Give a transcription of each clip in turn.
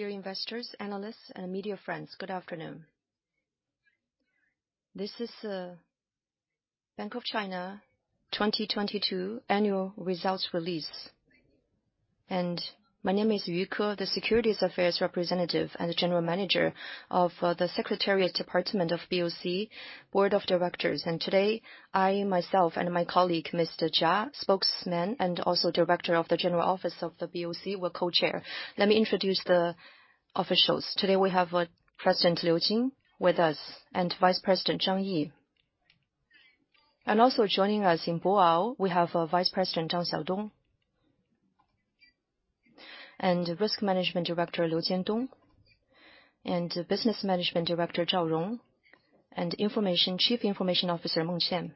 Dear investors, analysts, and media friends, good afternoon. This is Bank of China 2022 annual results release. My name is Yu Ke, the Securities Affairs representative and the General Manager of the Secretariat Department of BOC, Board of Directors. Today, I, myself and my colleague, Mr. Jia, spokesman and also Director of the General Office of the BOC, will co-chair. Let me introduce the officials. Today we have President Liu Jin with us, and Vice President Zhang Yi. Also joining us in Boao, we have Vice President Zhang Xiaodong. Risk Management Director Liu Jiandong, Business Management Director Zhao Rong, and Chief Information Officer Meng Qian.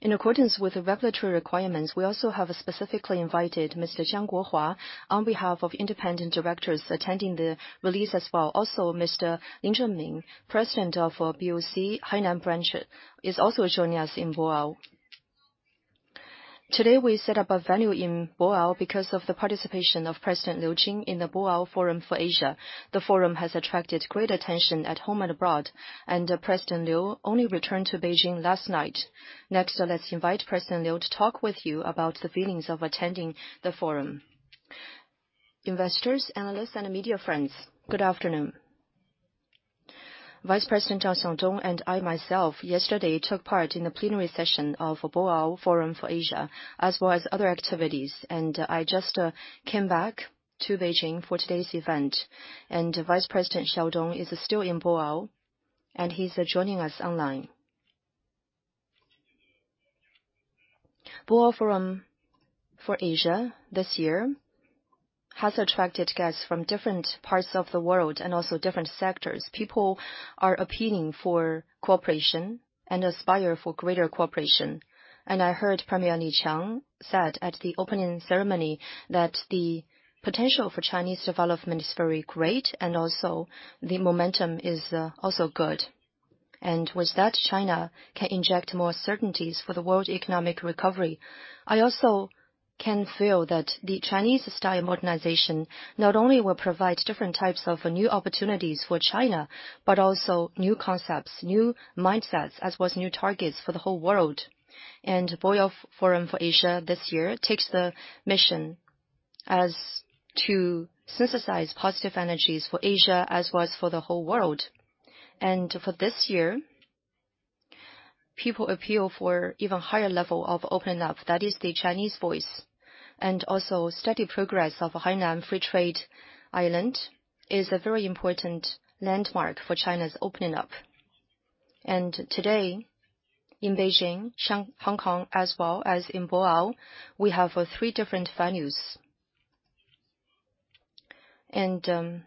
In accordance with the regulatory requirements, we also have specifically invited Mr. Jiang Guohua, on behalf of independent directors attending the release as well. Also, Mr. Lin Zhenming, President of BOC Hainan Branch, is also joining us in Boao. Today we set up a venue in Boao because of the participation of President Liu Jin in the Boao Forum for Asia. The forum has attracted great attention at home and abroad. President Liu only returned to Beijing last night. Next, let's invite President Liu to talk with you about the feelings of attending the forum. Investors, analysts, and media friends, good afternoon. Vice President Zhang Xiaodong and I, myself, yesterday took part in the plenary session of Boao Forum for Asia, as well as other activities. I just came back to Beijing for today's event. Vice President Xiaodong is still in Boao, and he's joining us online. Boao Forum for Asia this year has attracted guests from different parts of the world and also different sectors. People are appealing for cooperation and aspire for greater cooperation. I heard Premier Li Qiang said at the opening ceremony that the potential for Chinese development is very great and also the momentum is also good. With that, China can inject more certainties for the world economic recovery. I also can feel that the Chinese-style modernization not only will provide different types of new opportunities for China, but also new concepts, new mindsets, as well as new targets for the whole world. Boao Forum for Asia this year takes the mission as to synthesize positive energies for Asia as well as for the whole world. For this year, people appeal for even higher level of opening up. That is the Chinese voice. Also steady progress of Hainan Free Trade Island is a very important landmark for China's opening up. Today, in Beijing, Shanghai, Hong Kong, as well as in Boao, we have three different venues. The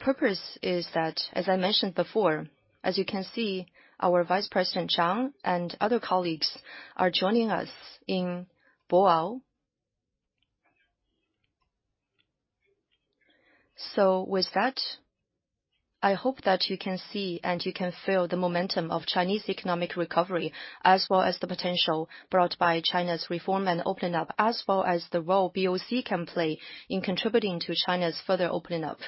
purpose is that, as I mentioned before, as you can see, our Vice President Zhang and other colleagues are joining us in Boao. With that, I hope that you can see and you can feel the momentum of Chinese economic recovery, as well as the potential brought by China's reform and opening up, as well as the role BOC can play in contributing to China's further opening up.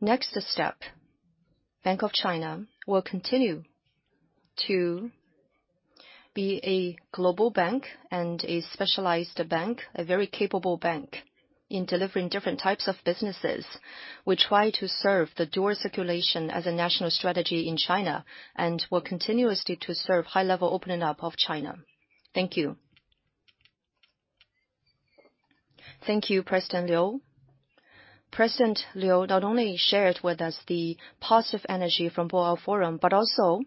Next step, Bank of China will continue to be a global bank and a specialized bank, a very capable bank in delivering different types of businesses, which try to serve the dual circulation as a national strategy in China and will continuously to serve high level opening up of China. Thank you. Thank you, President Liu Jin. President Liu not only shared with us the positive energy from Bo'ao Forum, but also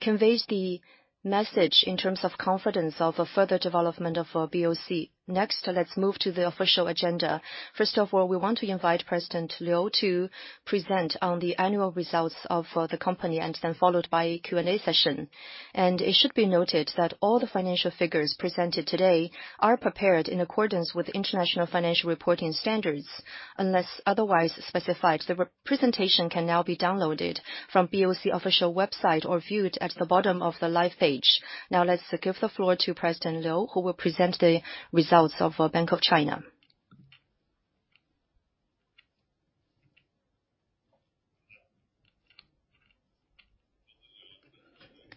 conveys the message in terms of confidence of a further development of BOC. Next, let's move to the official agenda. First of all, we want to invite President Liu to present on the annual results of the company and then followed by a Q&A session. It should be noted that all the financial figures presented today are prepared in accordance with international financial reporting standards, unless otherwise specified. The presentation can now be downloaded from BOC official website or viewed at the bottom of the live page. Let's give the floor to President Liu, who will present the results of Bank of China.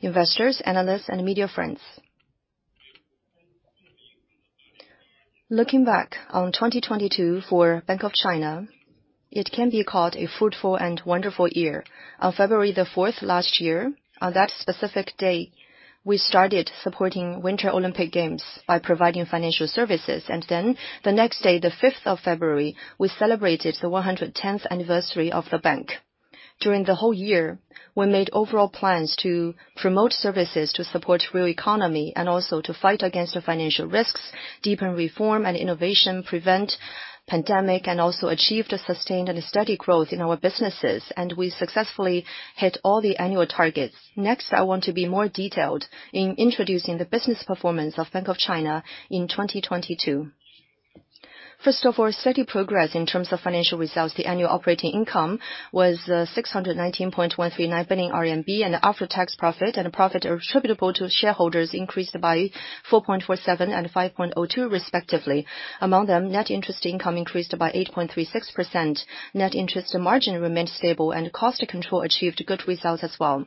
Investors, analysts, and media friends, looking back on 2022 for Bank of China, it can be called a fruitful and wonderful year. On February 4th last year, on that specific day, we started supporting Winter Olympic Games by providing financial services. The next day, the 5th of February, we celebrated the 110th anniversary of the bank. During the whole year, we made overall plans to promote services to support real economy and also to fight against the financial risks, deepen reform and innovation, prevent pandemic, and also achieved a sustained and a steady growth in our businesses, and we successfully hit all the annual targets. I want to be more detailed in introducing the business performance of Bank of China in 2022. First of all, steady progress in terms of financial results. The annual operating income was 619.139 billion RMB, and after-tax profit and profit attributable to shareholders increased by 4.47% and 5.02% respectively. Among them, net interest income increased by 8.36%. Net interest margin remained stable and cost control achieved good results as well.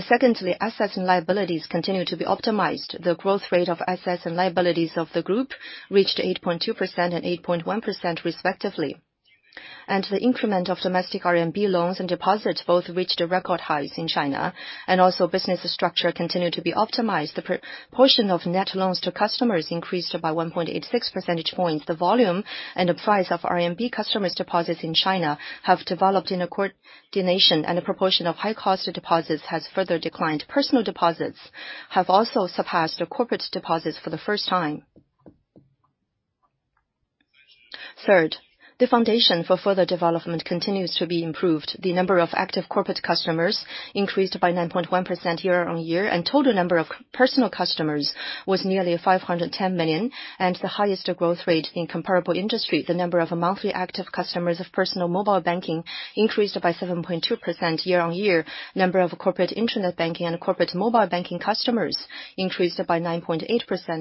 Secondly, assets and liabilities continued to be optimized. The growth rate of assets and liabilities of the group reached 8.2% and 8.1% respectively. The increment of domestic RMB loans and deposits both reached record highs in China, and also business structure continued to be optimized. The proportion of net loans to customers increased by 1.86 percentage points. The volume and price of RMB customers deposits in China have developed in a coordination, and a proportion of high cost deposits has further declined. Personal deposits have also surpassed corporate deposits for the first time. Third, the foundation for further development continues to be improved. The number of active corporate customers increased by 9.1% year-on-year, and total number of personal customers was nearly 510 million, and the highest growth rate in comparable industry. The number of monthly active customers of personal mobile banking increased by 7.2% year-on-year. Number of corporate internet banking and corporate mobile banking customers increased by 9.8%,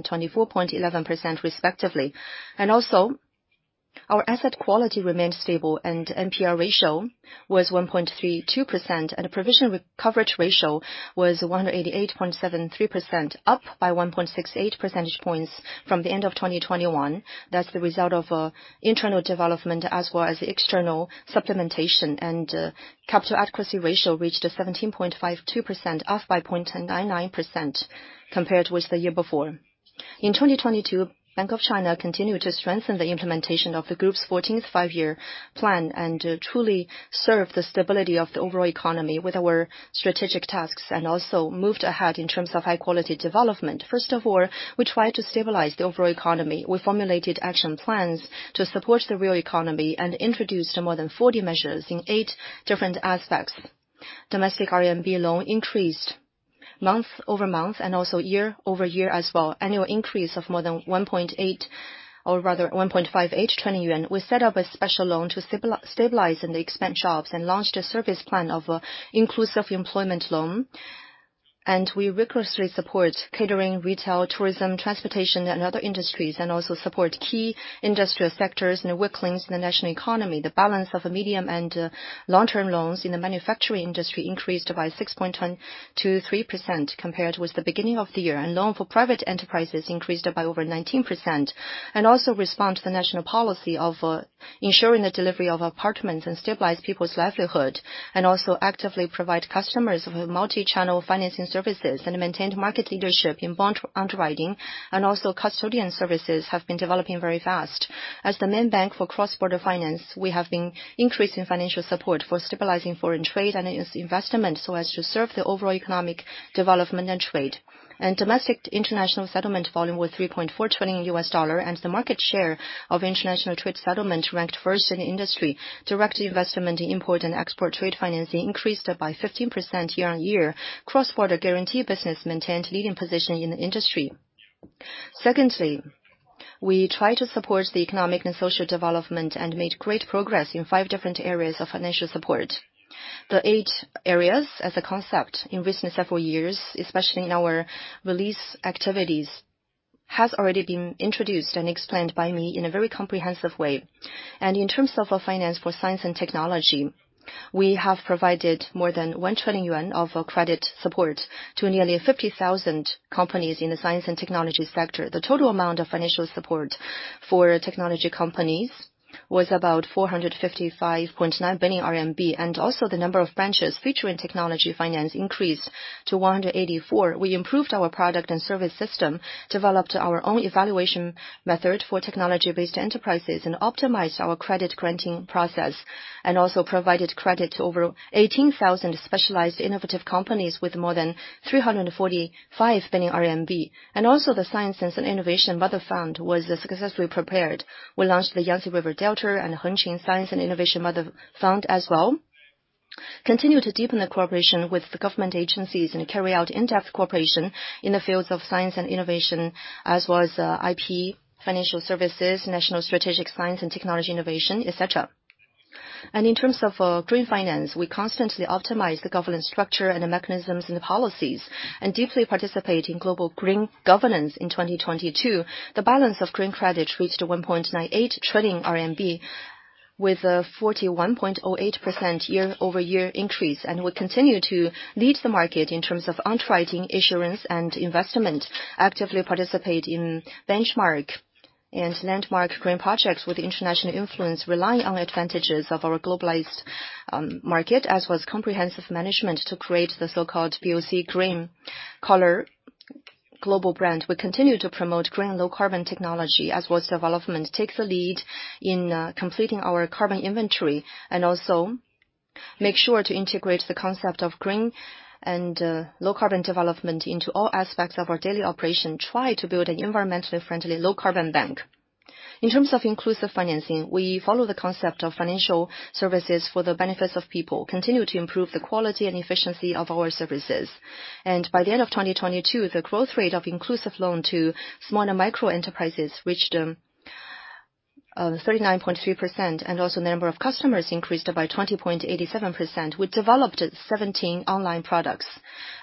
24.11% respectively. Our asset quality remained stable and NPL ratio was 1.32%, and a provision coverage ratio was 188.73%, up by 1.68 percentage points from the end of 2021. That's the result of internal development as well as external supplementation. Capital adequacy ratio reached 17.52%, up by 0.1099% compared with the year before. In 2022, Bank of China continued to strengthen the implementation of the group's Fourteenth Five-Year Plan and truly serve the stability of the overall economy with our strategic tasks and also moved ahead in terms of high quality development. First of all, we tried to stabilize the overall economy. We formulated action plans to support the real economy and introduced more than 40 measures in 8 different aspects. Domestic RMB loan increased month-over-month and also year-over-year as well. Annual increase of more than 1.8, or rather 1.58 trillion yuan. We set up a special loan to stabilize and expand jobs and launched a service plan of inclusive employment loan. We rigorously support catering, retail, tourism, transportation and other industries, and also support key industrial sectors and weak links in the national economy. The balance of a medium and long-term loans in the manufacturing industry increased by 6.123% compared with the beginning of the year. Loan for private enterprises increased by over 19%, and also respond to the national policy of ensuring the delivery of apartments and stabilize people's livelihood, and also actively provide customers with multi-channel financing services and maintained market leadership in bond underwriting and also custodian services have been developing very fast. As the main bank for cross-border finance, we have been increasing financial support for stabilizing foreign trade and its investment so as to serve the overall economic development and trade. Domestic international settlement volume was $3.4 trillion and the market share of international trade settlement ranked first in the industry. Direct investment in import and export trade financing increased by 15% year-on-year. Cross-border guarantee business maintained leading position in the industry. Secondly, we tried to support the economic and social development and made great progress in five different areas of financial support. The eight areas as a concept in recent several years, especially in our release activities, has already been introduced and explained by me in a very comprehensive way. In terms of finance for science and technology, we have provided more than 1 trillion yuan of credit support to nearly 50,000 companies in the science and technology sector. The total amount of financial support for technology companies was about 455.9 billion RMB, and also the number of branches featuring technology finance increased to 184. We improved our product and service system, developed our own evaluation method for technology-based enterprises and optimized our credit granting process, and also provided credit to over 18,000 specialized innovative companies with more than 345 billion RMB. The Science and Innovation Mother Fund was successfully prepared. We launched the Yangtze River Delta and Hengqin Science and Innovation Mother Fund as well. Continue to deepen the cooperation with the government agencies and carry out in-depth cooperation in the fields of science and innovation, as well as IP, financial services, national strategic science and technology innovation, et cetera. In terms of green finance, we constantly optimize the governance structure and the mechanisms and the policies and deeply participate in global green governance in 2022. The balance of green credit reached 1.98 trillion RMB with a 41.08% year-over-year increase. We continue to lead the market in terms of underwriting, insurance and investment, actively participate in benchmark and landmark green projects with international influence, relying on advantages of our globalized market as well as comprehensive management to create the so-called BOC green color global brand. We continue to promote green low-carbon technology as well as development takes a lead in completing our carbon inventory, also make sure to integrate the concept of green and low-carbon development into all aspects of our daily operation, try to build an environmentally friendly low-carbon bank. In terms of inclusive financing, we follow the concept of financial services for the benefits of people, continue to improve the quality and efficiency of our services. By the end of 2022, the growth rate of inclusive loan to small and micro-enterprises reached. 39.3%, the number of customers increased by 20.87%. We developed 17 online products,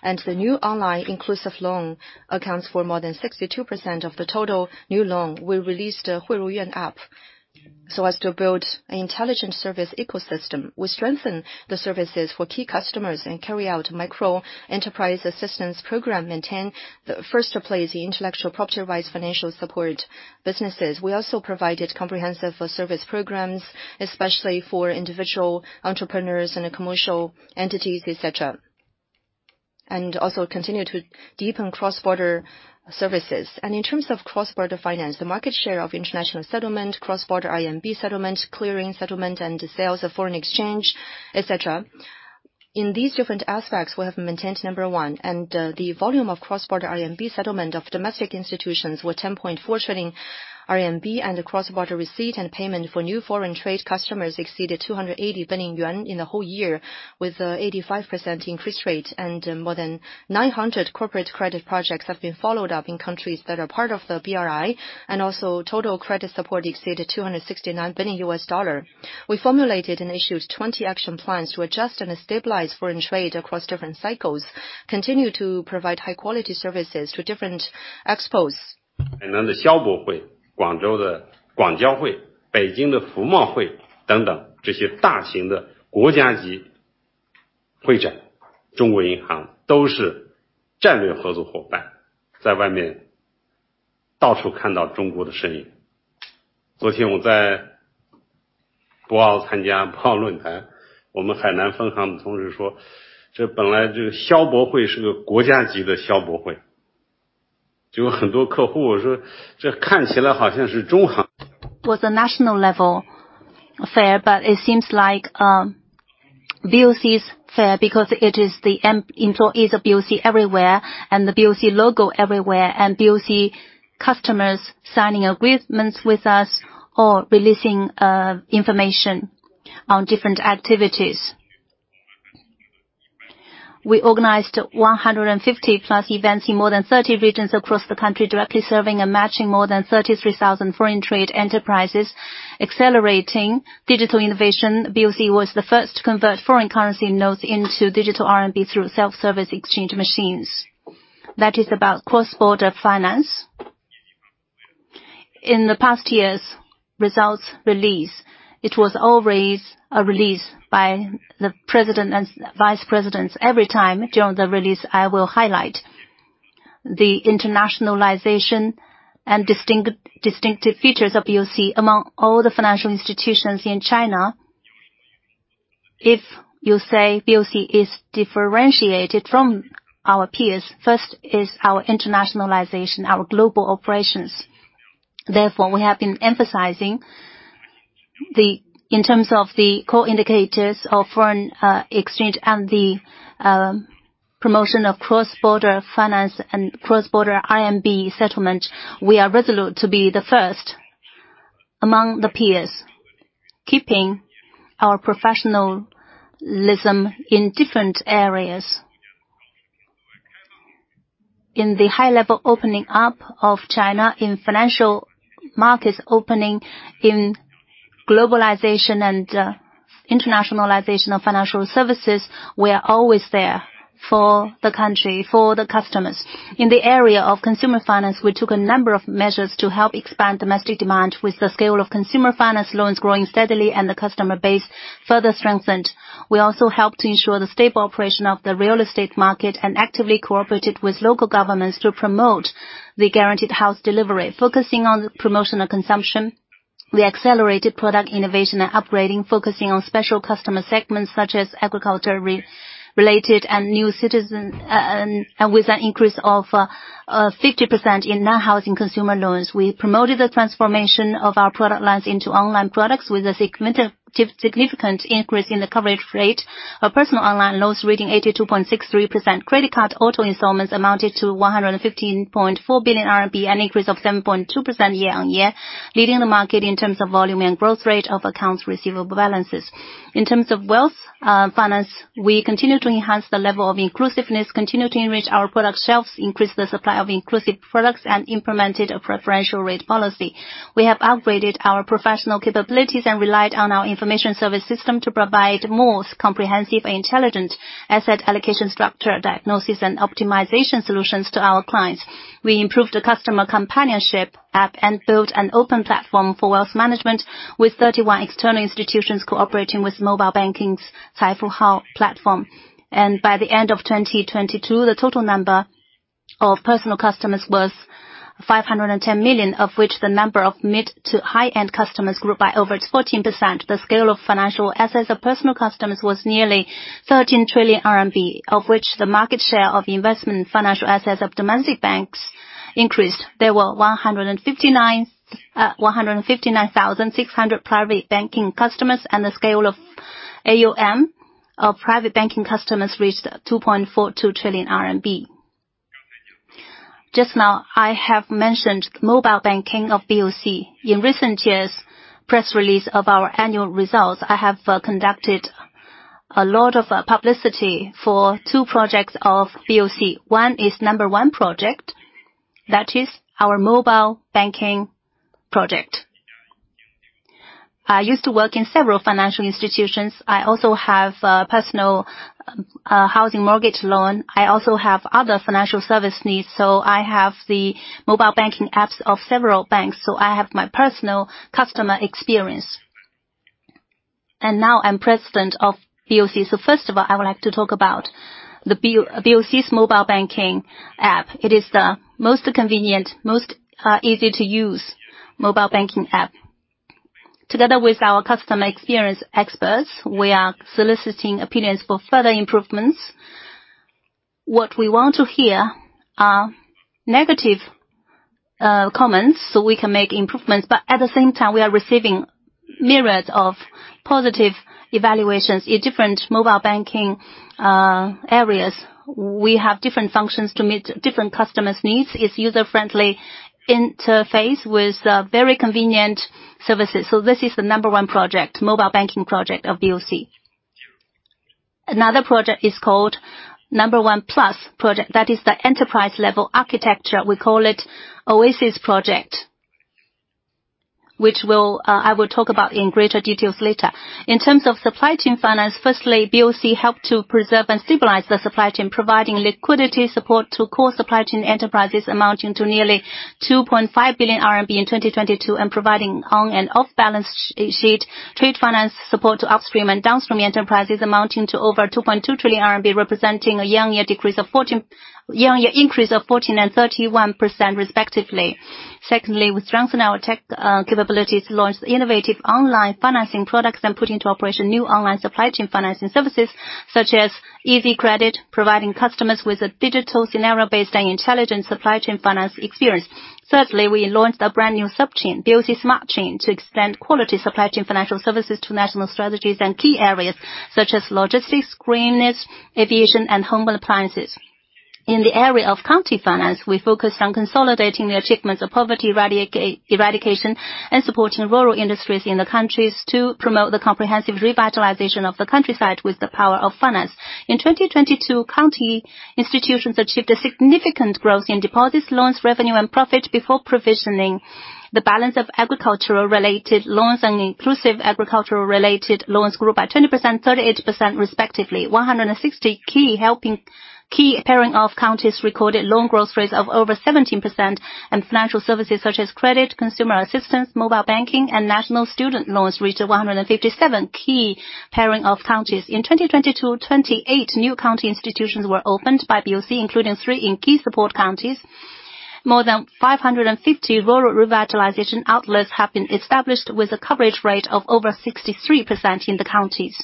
the new online inclusive loan accounts for more than 62% of the total new loan. We released a Huiru Yun app so as to build an intelligent service ecosystem. We strengthen the services for key customers and carry out micro enterprise assistance program, maintain the first to place the intellectual property rights financial support businesses. We also provided comprehensive service programs, especially for individual entrepreneurs and commercial entities, et cetera, continue to deepen cross-border services. In terms of cross-border finance, the market share of international settlement, cross-border RMB settlement, clearing settlement, and sales of foreign exchange, et cetera. In these different aspects, we have maintained number one and, the volume of cross-border RMB settlement of domestic institutions were 10.4 trillion RMB and the cross-border receipt and payment for new foreign trade customers exceeded 280 billion yuan in the whole year with 85% increase rate. More than 900 corporate credit projects have been followed up in countries that are part of the BRI. Also total credit support exceeded $269 billion. We formulated and issued 20 action plans to adjust and stabilize foreign trade across different cycles, continue to provide high quality services to different expos. It was a national level affair. It seems like BOC's fair because it is the employees of BOC everywhere and the BOC logo everywhere and BOC customers signing agreements with us or releasing information on different activities. We organized 150 plus events in more than 30 regions across the country, directly serving and matching more than 33,000 foreign trade enterprises, accelerating digital innovation. BOC was the first to convert foreign currency nodes into digital RMB through self-service exchange machines. That is about cross-border finance. In the past years, results release. It was always a release by the president and vice presidents. Every time during the release, I will highlight the internationalization and distinctive features of BOC among all the financial institutions in China. If you say BOC is differentiated from our peers, first is our internationalization, our global operations. We have been emphasizing in terms of the core indicators of foreign exchange and the promotion of cross-border finance and cross-border RMB settlement, we are resolute to be the first among the peers, keeping our professionalism in different areas. In the high level opening up of China in financial markets, opening in globalization and internationalization of financial services, we are always there for the country, for the customers. In the area of consumer finance, we took a number of measures to help expand domestic demand with the scale of consumer finance loans growing steadily and the customer base further strengthened. We also helped ensure the stable operation of the real estate market and actively cooperated with local governments to promote the guaranteed house delivery. Focusing on the promotion of consumption, we accelerated product innovation and upgrading, focusing on special customer segments such as agriculture-related and new citizen. With an increase of 50% in non-housing consumer loans. We promoted the transformation of our product lines into online products with a significant increase in the coverage rate of personal online loans reading 82.63%. Credit card auto installments amounted to 115.4 billion RMB, an increase of 7.2% year-on-year, leading the market in terms of volume and growth rate of accounts receivable balances. In terms of wealth finance, we continue to enhance the level of inclusiveness, continue to enrich our product shelves, increase the supply of inclusive products, and implemented a preferential rate policy. We have upgraded our professional capabilities and relied on our information service system to provide more comprehensive and intelligent asset allocation structure diagnosis and optimization solutions to our clients. We improved the customer companionship app and built an open platform for wealth management with 31 external institutions cooperating with mobile banking's Caifu Hao platform. By the end of 2022, the total number of personal customers was 510 million, of which the number of mid to high-end customers grew by over 14%. The scale of financial assets of personal customers was nearly 13 trillion RMB, of which the market share of investment in financial assets of domestic banks increased. There were 159,600 private banking customers, and the scale of AUM of private banking customers reached 2.42 trillion RMB. Just now, I have mentioned mobile banking of BOC. In recent years, press release of our annual results, I have conducted a lot of publicity for two projects of BOC. One is number one project. That is our mobile banking project. I used to work in several financial institutions. I also have personal housing mortgage loan. I also have other financial service needs, so I have the mobile banking apps of several banks, so I have my personal customer experience. Now I'm president of BOC. First of all, I would like to talk about the BOC's mobile banking app. It is the most convenient, most easy to use mobile banking app. Together with our customer experience experts, we are soliciting opinions for further improvements. What we want to hear are negative comments, so we can make improvements, but at the same time, we are receiving myriad of positive evaluations in different mobile banking areas. We have different functions to meet different customers' needs. It's user-friendly interface with very convenient services. This is the number one project, mobile banking project of BOC. Another project is called number one plus project. That is the enterprise-level architecture. We call it OASIS project, which I will talk about in greater details later. In terms of supply chain finance, firstly, BOC helped to preserve and stabilize the supply chain, providing liquidity support to core supply chain enterprises amounting to nearly 2.5 billion RMB in 2022, and providing on and off balance sheet, trade finance support to upstream and downstream enterprises amounting to over 2.2 trillion RMB, representing a year-on-year increase of 14% and 31% respectively. We strengthen our tech capabilities, launched innovative online financing products, and put into operation new online supply chain financing services such as easy credit, providing customers with a digital scenario-based and intelligent supply chain finance experience. We launched a brand new sub chain, BOC Smart Chain, to extend quality supply chain financial services to national strategies and key areas such as logistics, greenness, aviation, and home appliances. In the area of county finance, we focused on consolidating the achievements of poverty eradication and supporting rural industries in the counties to promote the comprehensive revitalization of the countryside with the power of finance. In 2022, county institutions achieved a significant growth in deposits, loans, revenue, and profit before provisioning. The balance of agricultural related loans and inclusive agricultural related loans grew by 20%, 38% respectively. 160 Key pairing of counties recorded loan growth rates of over 17%, and financial services such as credit, consumer assistance, mobile banking, and national student loans reached 157 key pairing of counties. In 2022, 28 new county institutions were opened by BOC, including three in key support counties. More than 550 rural revitalization outlets have been established with a coverage rate of over 63% in the counties.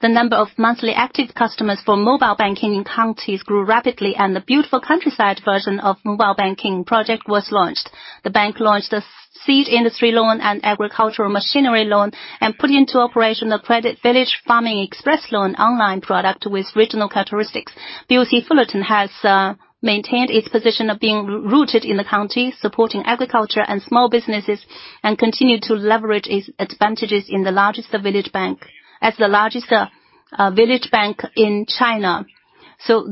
The number of monthly active customers for mobile banking in counties grew rapidly, and the beautiful countryside version of mobile banking project was launched. The bank launched a seed industry loan and agricultural machinery loan and put into operation the Credit Village Farming Express Loan online product with regional characteristics. BOC Fullerton has maintained its position of being rooted in the county, supporting agriculture and small businesses, and continue to leverage its advantages as the largest village bank in China.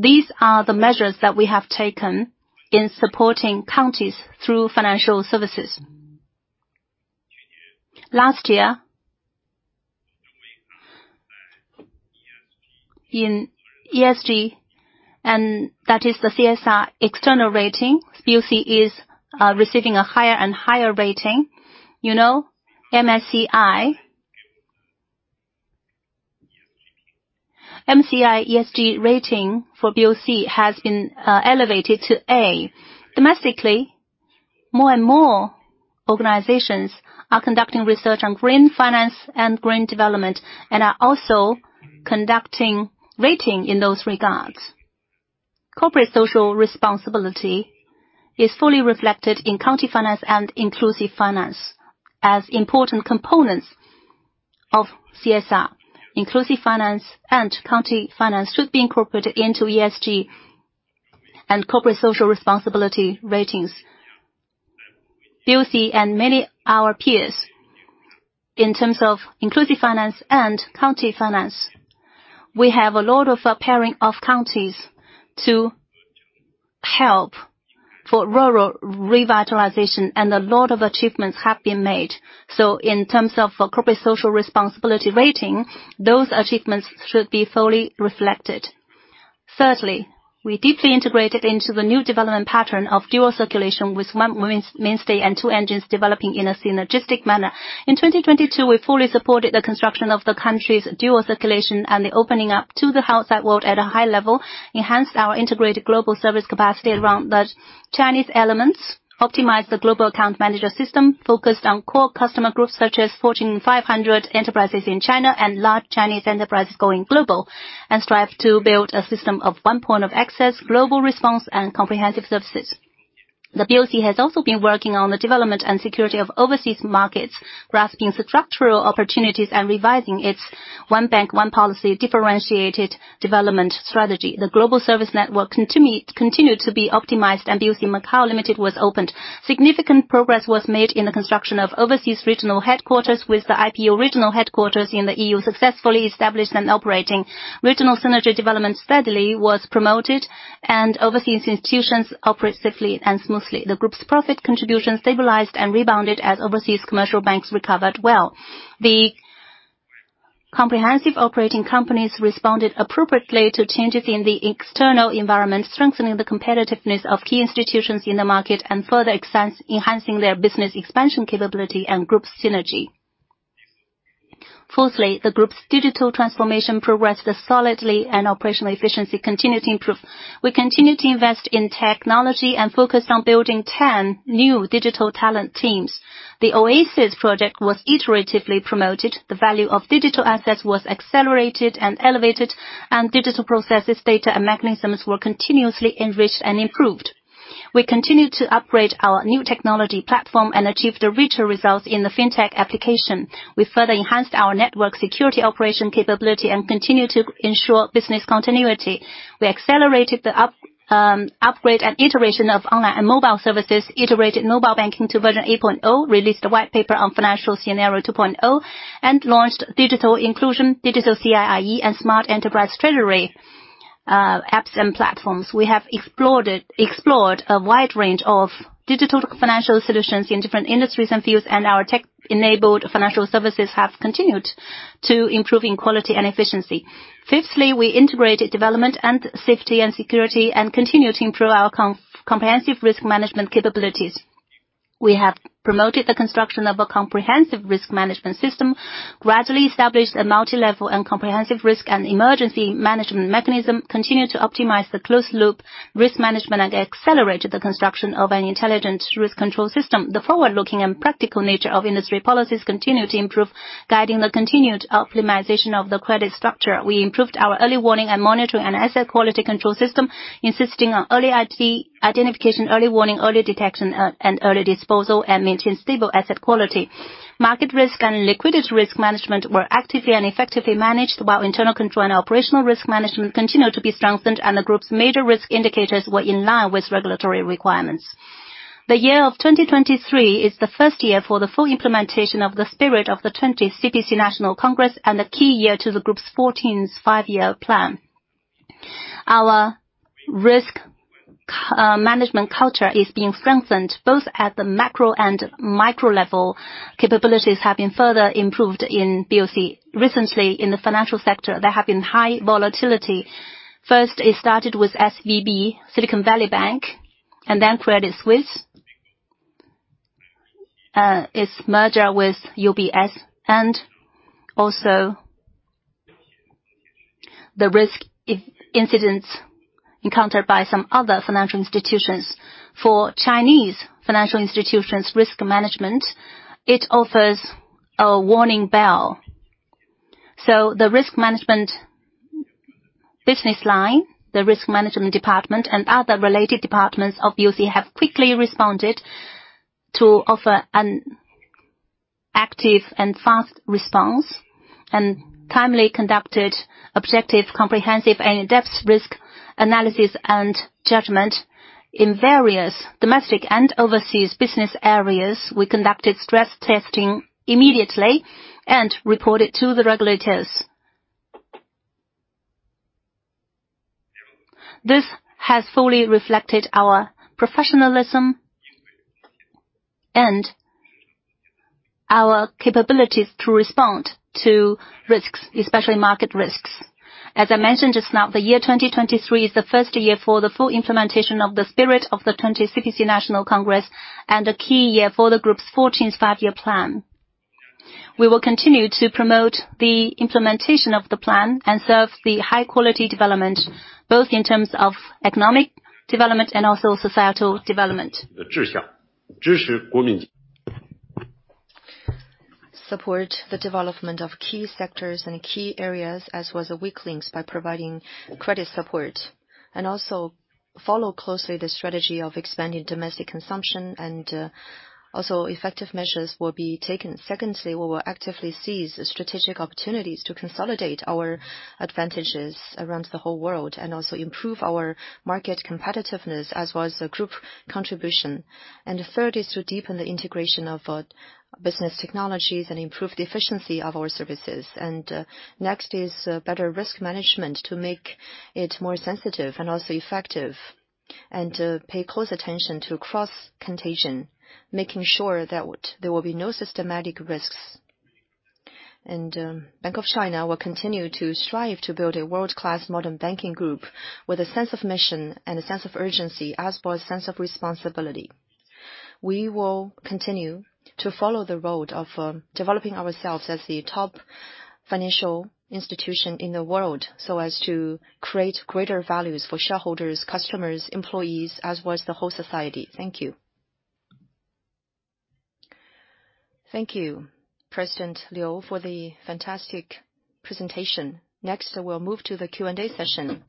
These are the measures that we have taken in supporting counties through financial services. Last year, in ESG, and that is the CSR external rating, BOC is receiving a higher and higher rating. You know, MSCI. MSCI ESG rating for BOC has been elevated to A. Domestically, more and more organizations are conducting research on green finance and green development and are also conducting rating in those regards. Corporate social responsibility is fully reflected in county finance and inclusive finance as important components of CSR. Inclusive finance and county finance should be incorporated into ESG and corporate social responsibility ratings. BOC and many our peers, in terms of inclusive finance and county finance, we have a lot of pairing of counties to help for rural revitalization, and a lot of achievements have been made. In terms of corporate social responsibility rating, those achievements should be fully reflected. Thirdly, we deeply integrated into the new development pattern of dual circulation with one main state and two engines developing in a synergistic manner. In 2022, we fully supported the construction of the country's dual circulation and the opening up to the outside world at a high level, enhanced our integrated global service capacity around the Chinese elements, optimized the global account manager system, focused on core customer groups such as Fortune 500 enterprises in China and large Chinese enterprises going global, and strived to build a system of one point of access, global response, and comprehensive services. The BOC has also been working on the development and security of overseas markets, grasping structural opportunities and revising its One Bank, One Policy differentiated development strategy. The global service network continued to be optimized, and BOC Macao Limited was opened. Significant progress was made in the construction of overseas regional headquarters with the IPO regional headquarters in the EU successfully established and operating. Regional synergy development steadily was promoted. Overseas institutions operate safely and smoothly. The group's profit contribution stabilized and rebounded as overseas commercial banks recovered well. The comprehensive operating companies responded appropriately to changes in the external environment, strengthening the competitiveness of key institutions in the market and further enhancing their business expansion capability and group synergy. Fourthly, the group's digital transformation progressed solidly and operational efficiency continued to improve. We continued to invest in technology and focused on building 10 new digital talent teams. The OASIS project was iteratively promoted. The value of digital assets was accelerated and elevated. Digital processes, data, and mechanisms were continuously enriched and improved. We continued to upgrade our new technology platform and achieved richer results in the fintech application. We further enhanced our network security operation capability and continued to ensure business continuity. We accelerated the upgrade and iteration of online and mobile services, iterated mobile banking to version 8.0, released a white paper on financial scenario 2.0, and launched digital inclusion, digital CIIE, and smart enterprise treasury apps and platforms. We have explored a wide range of digital financial solutions in different industries and fields, our tech-enabled financial services have continued to improve in quality and efficiency. Fifthly, we integrated development and safety and security and continued to improve our comprehensive risk management capabilities. We have promoted the construction of a comprehensive risk management system, gradually established a multi-level and comprehensive risk and emergency management mechanism, continued to optimize the closed loop risk management, and accelerated the construction of an intelligent risk control system. The forward-looking and practical nature of industry policies continued to improve, guiding the continued optimization of the credit structure. We improved our early warning and monitoring and asset quality control system, insisting on early identification, early warning, early detection, and early disposal, and maintained stable asset quality. Market risk and liquidity risk management were actively and effectively managed, while internal control and operational risk management continued to be strengthened, and the group's major risk indicators were in line with regulatory requirements. The year of 2023 is the first year for the full implementation of the spirit of the 20th CPC National Congress and the key year to the group's Fourteenth Five-Year Plan. Our risk management culture is being strengthened both at the macro and micro level. Capabilities have been further improved in BOC. Recently, in the financial sector, there have been high volatility. First, it started with SVB, Silicon Valley Bank, and then Credit Suisse, its merger with UBS, and also the risk incidents encountered by some other financial institutions. For Chinese financial institutions' risk management, it offers a warning bell. The risk management business line, the risk management department, and other related departments of BOC have quickly responded to offer an active and fast response, and timely conducted objective, comprehensive, and in-depth risk analysis and judgment. In various domestic and overseas business areas, we conducted stress testing immediately and reported to the regulators. This has fully reflected our professionalism and our capabilities to respond to risks, especially market risks. As I mentioned just now, the year 2023 is the first year for the full implementation of the spirit of the 20th CPC National Congress and the key year for the group's Fourteenth Five-Year Plan. We will continue to promote the implementation of the plan and serve the high quality development, both in terms of economic development and also societal development. Support the development of key sectors and key areas as was the weak links by providing credit support. Also follow closely the strategy of expanding domestic consumption, also effective measures will be taken. Secondly, we will actively seize the strategic opportunities to consolidate our advantages around the whole world and also improve our market competitiveness as was the group contribution. The third is to deepen the integration of business technologies and improve the efficiency of our services. Next is better risk management to make it more sensitive and also effective. Pay close attention to cross-contagion, making sure that there will be no systematic risks. Bank of China will continue to strive to build a world-class modern banking group with a sense of mission and a sense of urgency, as for a sense of responsibility. We will continue to follow the road of developing ourselves as the top financial institution in the world, so as to create greater values for shareholders, customers, employees, as was the whole society. Thank you. Thank you, President Liu, for the fantastic presentation. Next, we'll move to the Q&A session,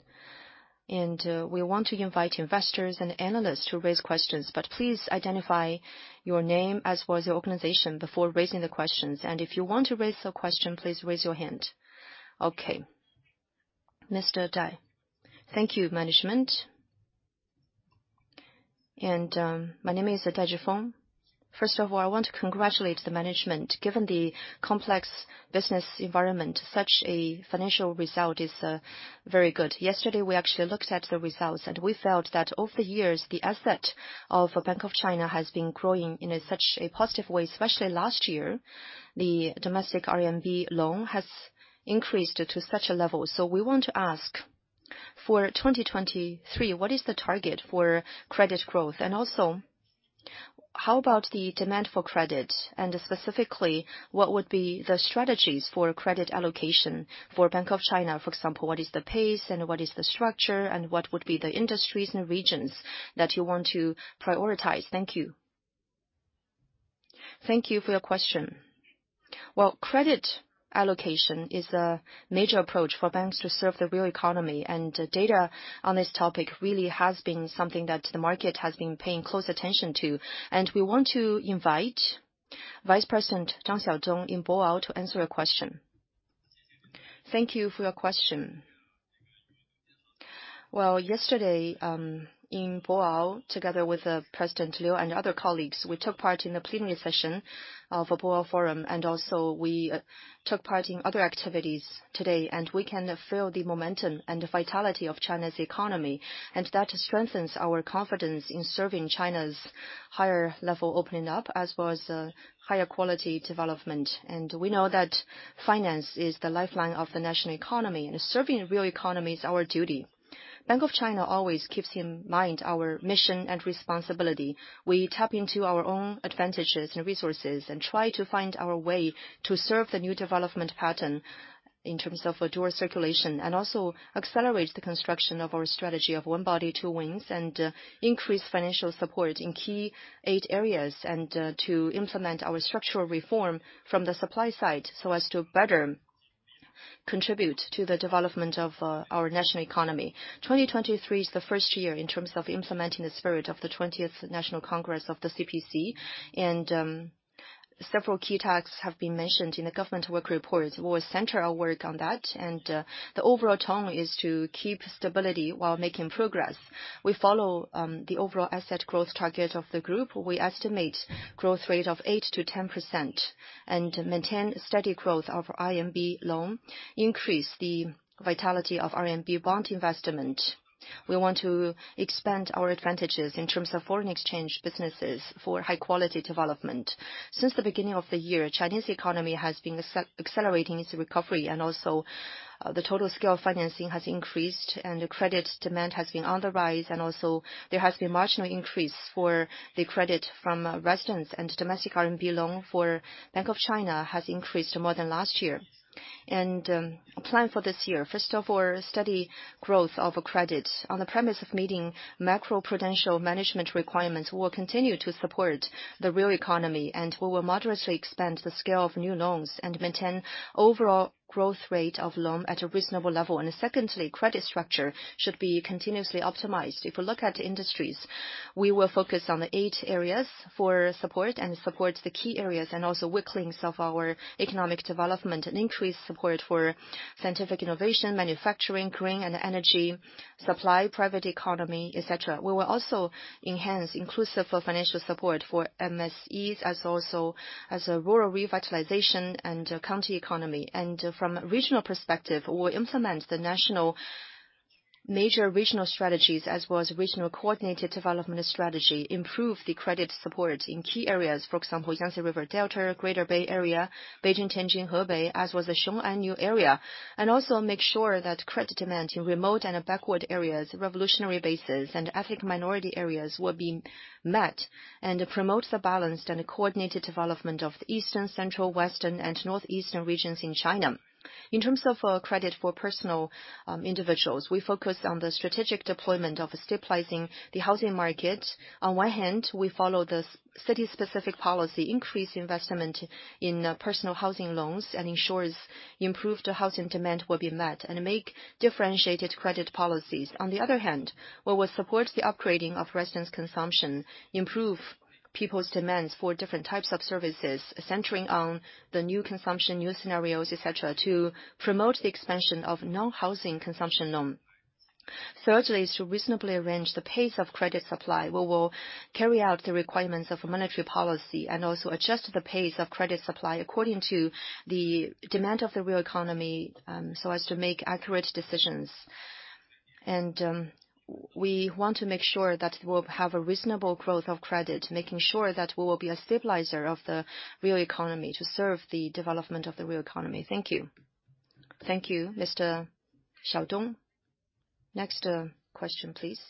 we want to invite investors and analysts to raise questions. Please identify your name as well as your organization before raising the questions. If you want to raise a question, please raise your hand. Okay. Mr. Dai. Thank you, management. My name is Dai Zhifeng. First of all, I want to congratulate the management. Given the complex business environment, such a financial result is very good. Yesterday, we actually looked at the results and we felt that over the years, the asset of Bank of China has been growing in a such a positive way, especially last year. The domestic RMB loan has increased to such a level. We want to ask, for 2023, what is the target for credit growth? How about the demand for credit? Specifically, what would be the strategies for credit allocation for Bank of China? For example, what is the pace and what is the structure and what would be the industries and regions that you want to prioritize? Thank you. Thank you for your question. Well, credit allocation is a major approach for banks to serve the real economy, and data on this topic really has been something that the market has been paying close attention to. We want to invite Vice President Zhang Xiaodong in Boao to answer your question. Thank you for your question. Yesterday, in Boao, together with President Liu and other colleagues, we took part in the plenary session of Boao Forum. We took part in other activities today. We can feel the momentum and the vitality of China's economy. That strengthens our confidence in serving China's higher level opening up as well as higher quality development. We know that finance is the lifeline of the national economy, and serving real economy is our duty. Bank of China always keeps in mind our mission and responsibility. We tap into our own advantages and resources and try to find our way to serve the new development pattern in terms of dual circulation and also accelerate the construction of our strategy of one body, two wings and increase financial support in key eight areas and to implement our structural reform from the supply side so as to better contribute to the development of our national economy. 2023 is the first year in terms of implementing the spirit of the 20th National Congress of the CPC. Several key tasks have been mentioned in the government work reports. We will center our work on that. The overall tone is to keep stability while making progress. We follow the overall asset growth target of the group. We estimate growth rate of 8%-10% and maintain steady growth of RMB loan, increase the vitality of RMB bond investment. We want to expand our advantages in terms of foreign exchange businesses for high-quality development. Since the beginning of the year, Chinese economy has been accelerating its recovery and also, the total scale of financing has increased and credit demand has been on the rise, and also there has been marginal increase for the credit from residents and domestic RMB loan for Bank of China has increased more than last year. Plan for this year. First of all, steady growth of credit. On the premise of meeting macro-prudential management requirements, we will continue to support the real economy, and we will moderately expand the scale of new loans and maintain overall growth rate of loan at a reasonable level. Secondly, credit structure should be continuously optimized. If you look at industries, we will focus on the eight areas for support and support the key areas and also weak links of our economic development and increase support for scientific innovation, manufacturing, green and energy supply, private economy, et cetera. We will also enhance inclusive financial support for MSEs as also as a rural revitalization and county economy. From a regional perspective, we'll implement the national major regional strategies as well as regional coordinated development strategy, improve the credit support in key areas. For example, Yangtze River Delta, Greater Bay Area, Beijing-Tianjin-Hebei, as well as the Xiong'an New Area. Also make sure that credit demand in remote and backward areas, revolutionary bases, and ethnic minority areas will be met and promote the balanced and coordinated development of the eastern, central, western, and northeastern regions in China. In terms of credit for personal individuals, we focus on the strategic deployment of stabilizing the housing market. We follow the city-specific policy, increase investment in personal housing loans, and ensures improved housing demand will be met and make differentiated credit policies. We will support the upgrading of residents' consumption, improve people's demands for different types of services, centering on the new consumption, new scenarios, et cetera, to promote the expansion of non-housing consumption loan. Thirdly is to reasonably arrange the pace of credit supply. We will carry out the requirements of a monetary policy and also adjust the pace of credit supply according to the demand of the real economy, so as to make accurate decisions. We want to make sure that we'll have a reasonable growth of credit, making sure that we will be a stabilizer of the real economy to serve the development of the real economy. Thank you. Thank you, Mr. Xiaodong. Next, question, please.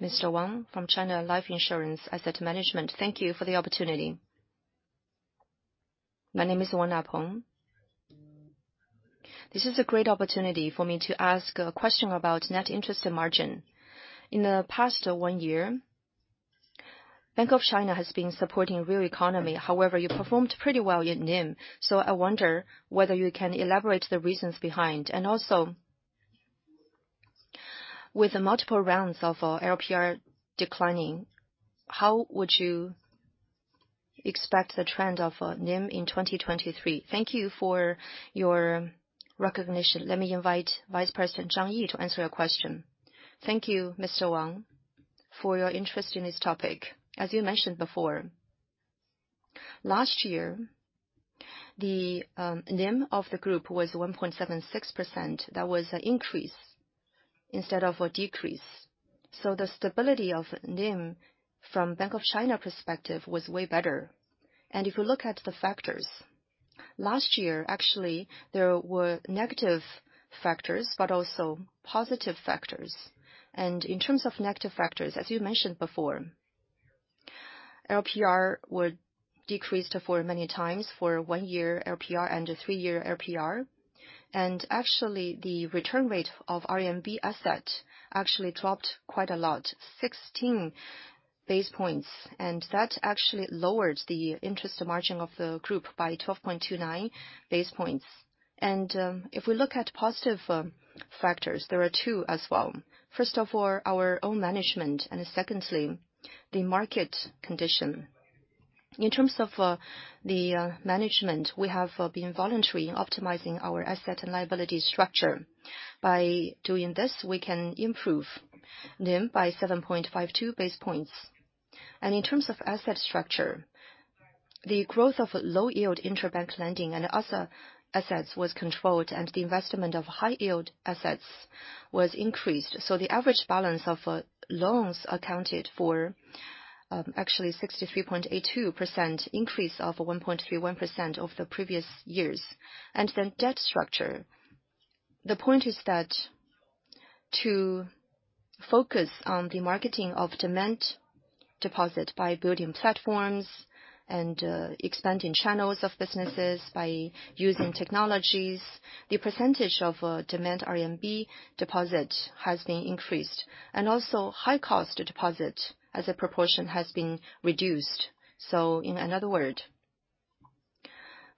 Mr. Wang from China Life Asset Management Company Limited. Thank you for the opportunity. My name is Wang Aipeng. This is a great opportunity for me to ask a question about net interest and margin. In the past one year, Bank of China has been supporting real economy, however, you performed pretty well in NIM, so I wonder whether you can elaborate the reasons behind. Also with the multiple rounds of LPR declining, how would you e xpect the trend of NIM in 2023? Thank you for your recognition. Let me invite Vice President Zhang Yi to answer your question. Thank you, Mr. Wang, for your interest in this topic. As you mentioned before, last year, the NIM of the group was 1.76%. That was an increase instead of a decrease. The stability of NIM from Bank of China perspective was way better. If you look at the factors, last year, actually, there were negative factors, but also positive factors. In terms of negative factors, as you mentioned before, LPR were decreased for many times for one-year LPR and a three-year LPR. Actually, the return rate of RMB asset actually dropped quite a lot, 16 basis points, and that actually lowered the interest of margin of the group by 12.29 basis points. If we look at positive factors, there are two as well. First of all, our own management, and secondly, the market condition. In terms of the management, we have been voluntary in optimizing our asset and liability structure. By doing this, we can improve NIM by 7.52 basis points. In terms of asset structure, the growth of low yield intrabank lending and other assets was controlled and the investment of high yield assets was increased. The average balance of loans accounted for actually 63.82% increase of 1.31% of the previous years. Debt structure. The point is that to focus on the marketing of demand deposit by building platforms and expanding channels of businesses by using technologies, the percentage of demand RMB deposit has been increased, and also high cost deposit as a proportion has been reduced. In another word,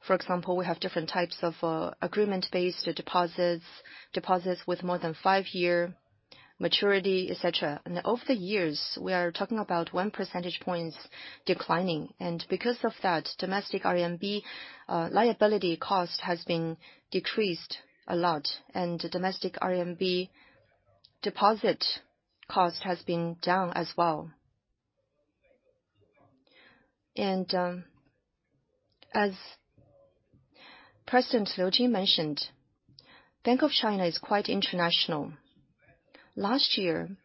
for example, we have different types of agreement-based deposits with more than five-year maturity, et cetera. Over the years, we are talking about 1 percentage points declining. Because of that, domestic RMB liability cost has been decreased a lot, and domestic RMB deposit cost has been down as well. As President Liu Jin mentioned, Bank of China is quite international. Last year,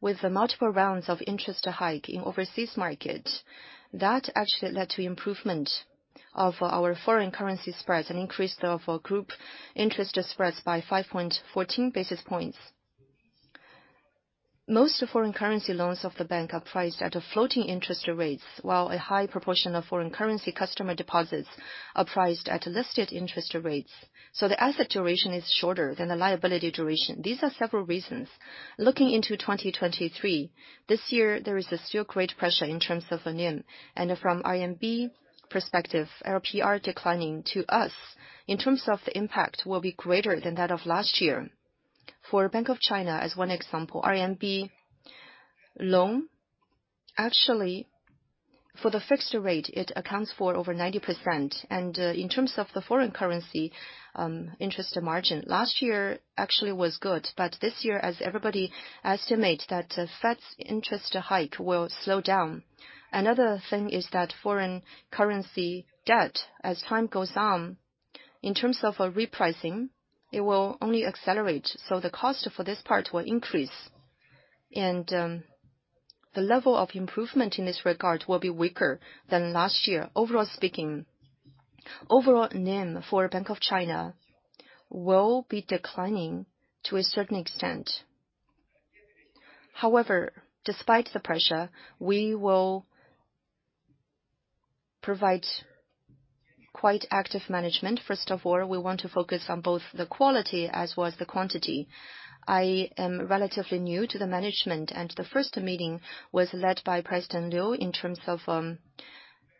with the multiple rounds of interest hike in overseas market, that actually led to improvement of our foreign currency spreads and increase of our group interest spreads by 5.14 basis points. Most foreign currency loans of the bank are priced at a floating interest rates, while a high proportion of foreign currency customer deposits are priced at listed interest rates. The asset duration is shorter than the liability duration. These are several reasons. Looking into 2023, this year there is a still great pressure in terms of NIM, from RMB perspective, LPR declining to us. In terms of the impact will be greater than that of last year. For Bank of China as one example, RMB loan, actually, for the fixed rate, it accounts for over 90%. In terms of the foreign currency interest and margin, last year actually was good, but this year, as everybody estimates that Fed's interest hike will slow down. Another thing is that foreign currency debt, as time goes on, in terms of a repricing, it will only accelerate, so the cost for this part will increase. The level of improvement in this regard will be weaker than last year. Overall speaking, overall NIM for Bank of China will be declining to a certain extent. Despite the pressure, we will provide quite active management. We want to focus on both the quality as well as the quantity. I am relatively new to the management, the first meeting was led by President Liu in terms of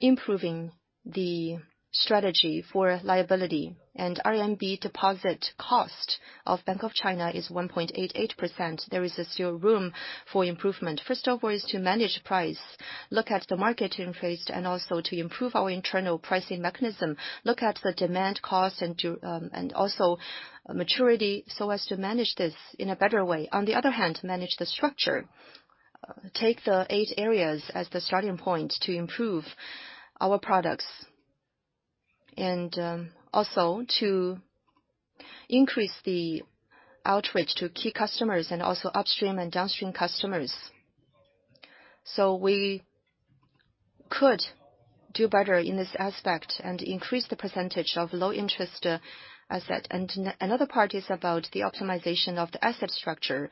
improving the strategy for liability. RMB deposit cost of Bank of China is 1.88%. There is still room for improvement. Is to manage price, look at the market interest, and also to improve our internal pricing mechanism, look at the demand cost, and also maturity so as to manage this in a better way. On the other hand, manage the structure. Take the eight areas as the starting point to improve our products, and also to increase the outreach to key customers and also upstream and downstream customers. We could do better in this aspect and increase the percentage of low interest asset. Another part is about the optimization of the asset structure.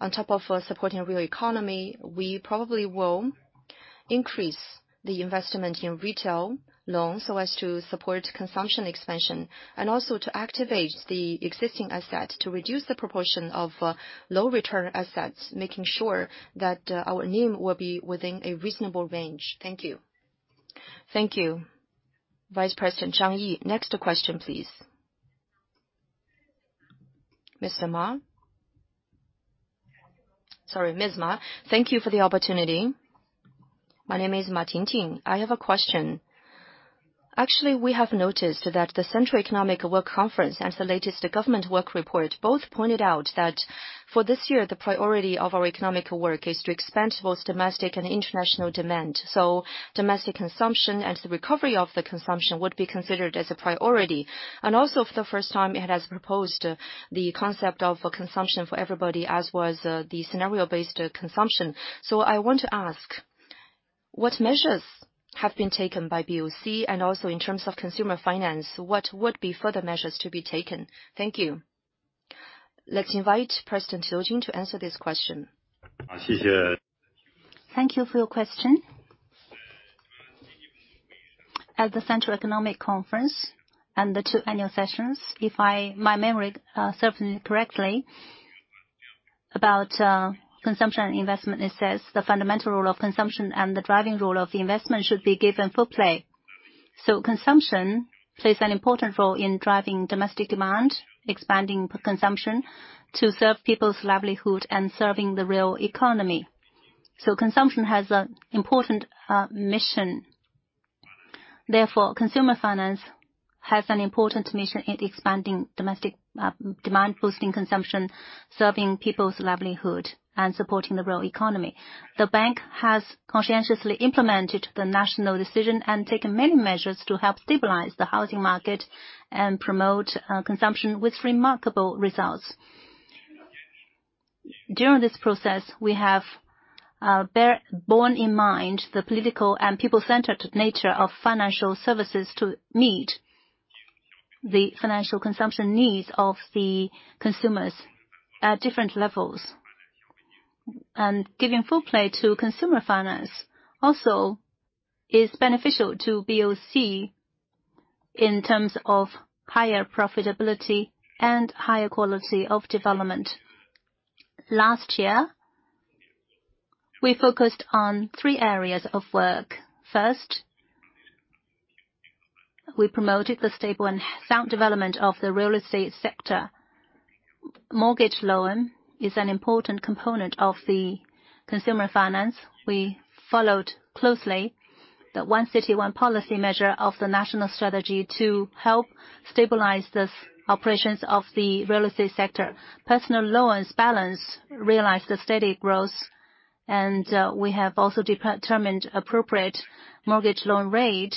On top of supporting real economy, we probably will increase the investment in retail loans so as to support consumption expansion, and also to activate the existing asset to reduce the proportion of low return assets, making sure that our NIM will be within a reasonable range. Thank you. Thank you, Vice President Zhang Yi. Next question, please. Mr. Ma. Sorry, Ms. Ma. Thank you for the opportunity. My name is Ma Tingting. I have a question. Actually, we have noticed that the Central Economic Work Conference and the latest government work report both pointed out that for this year, the priority of our economic work is to expand both domestic and international demand. Domestic consumption and the recovery of the consumption would be considered as a priority. For the first time, it has proposed the concept of consumption for everybody as was the scenario-based consumption. I want to ask, what measures have been taken by BOC? In terms of consumer finance, what would be further measures to be taken? Thank you. Let's invite President Qiu Jin to answer this question. Thank you for your question. At the Central Economic Conference and the two annual sessions, my memory serves me correctly about consumption and investment, it says the fundamental role of consumption and the driving role of investment should be given full play. Consumption plays an important role in driving domestic demand, expanding consumption to serve people's livelihood and serving the real economy. Consumption has an important mission. Therefore, consumer finance has an important mission in expanding domestic demand, boosting consumption, serving people's livelihood, and supporting the real economy. The bank has conscientiously implemented the national decision and taken many measures to help stabilize the housing market and promote consumption with remarkable results. During this process, we have borne in mind the political and people-centered nature of financial services to meet the financial consumption needs of the consumers at different levels. Giving full play to consumer finance also is beneficial to BOC in terms of higher profitability and higher quality of development. Last year, we focused on three areas of work. First, we promoted the stable and sound development of the real estate sector. Mortgage loan is an important component of the consumer finance. We followed closely the one city, one policy measure of the national strategy to help stabilize these operations of the real estate sector. Personal loans balance realized a steady growth. We have also determined appropriate mortgage loan rate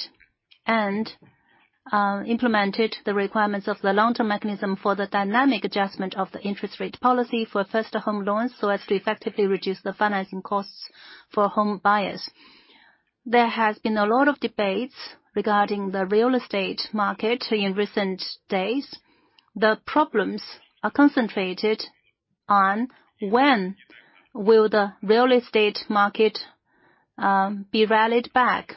and implemented the requirements of the long-term mechanism for the dynamic adjustment of the interest rate policy for first home loans, so as to effectively reduce the financing costs for home buyers. There has been a lot of debates regarding the real estate market in recent days. The problems are concentrated on when will the real estate market be rallied back?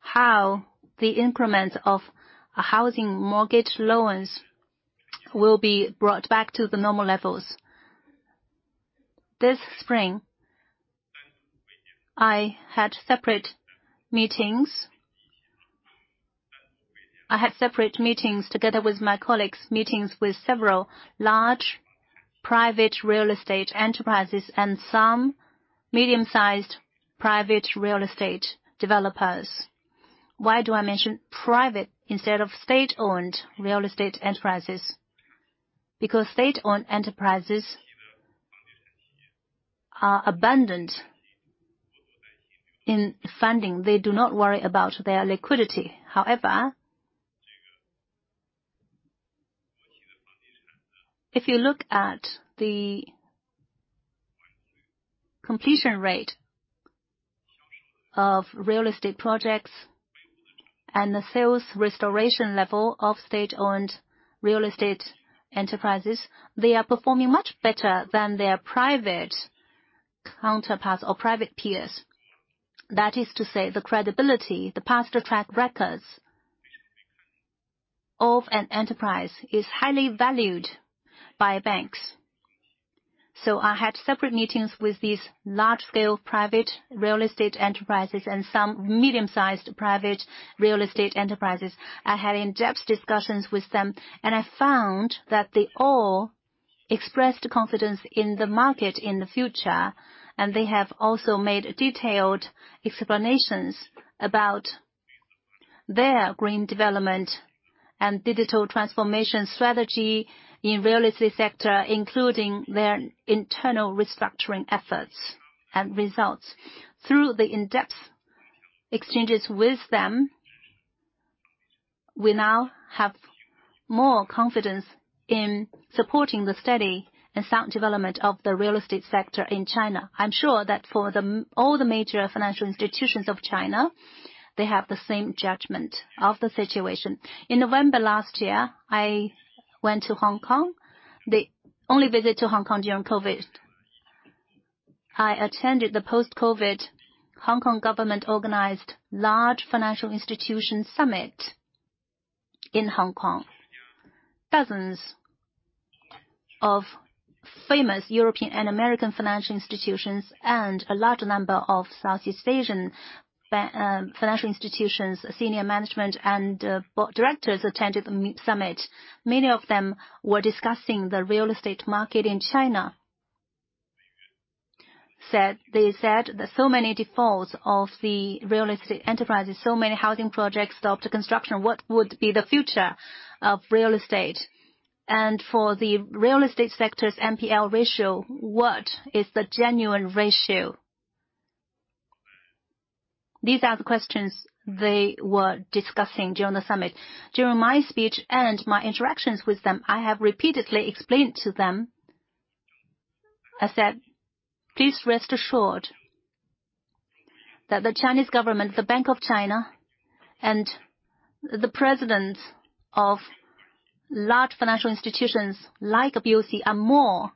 How the increments of housing mortgage loans will be brought back to the normal levels? This spring, I had separate meetings together with my colleagues, meetings with several large private real estate enterprises and some medium-sized private real estate developers. Why do I mention private instead of state-owned real estate enterprises? Because state-owned enterprises are abundant in funding. They do not worry about their liquidity. If you look at the completion rate of real estate projects and the sales restoration level of state-owned real estate enterprises, they are performing much better than their private counterparts or private peers. That is to say, the credibility, the past track records of an enterprise is highly valued by banks. I had separate meetings with these large-scale private real estate enterprises and some medium-sized private real estate enterprises. I had in-depth discussions with them, and I found that they all expressed confidence in the market in the future. They have also made detailed explanations about their green development and digital transformation strategy in real estate sector, including their internal restructuring efforts and results. Through the in-depth exchanges with them, we now have more confidence in supporting the steady and sound development of the real estate sector in China. I'm sure that for all the major financial institutions of China, they have the same judgment of the situation. In November last year, I went to Hong Kong. The only visit to Hong Kong during COVID. I attended the post-COVID Hong Kong government-organized large financial institution summit in Hong Kong. Dozens of famous European and American financial institutions and a large number of Southeast Asian financial institutions, senior management, and board directors attended the summit. Many of them were discussing the real estate market in China. They said that so many defaults of the real estate enterprises, so many housing projects stopped construction. What would be the future of real estate? For the real estate sector's NPL ratio, what is the genuine ratio? These are the questions they were discussing during the summit. During my speech and my interactions with them, I have repeatedly explained to them. I said, "Please rest assured that the Chinese government, the Bank of China, and the presidents of large financial institutions like BOC are more,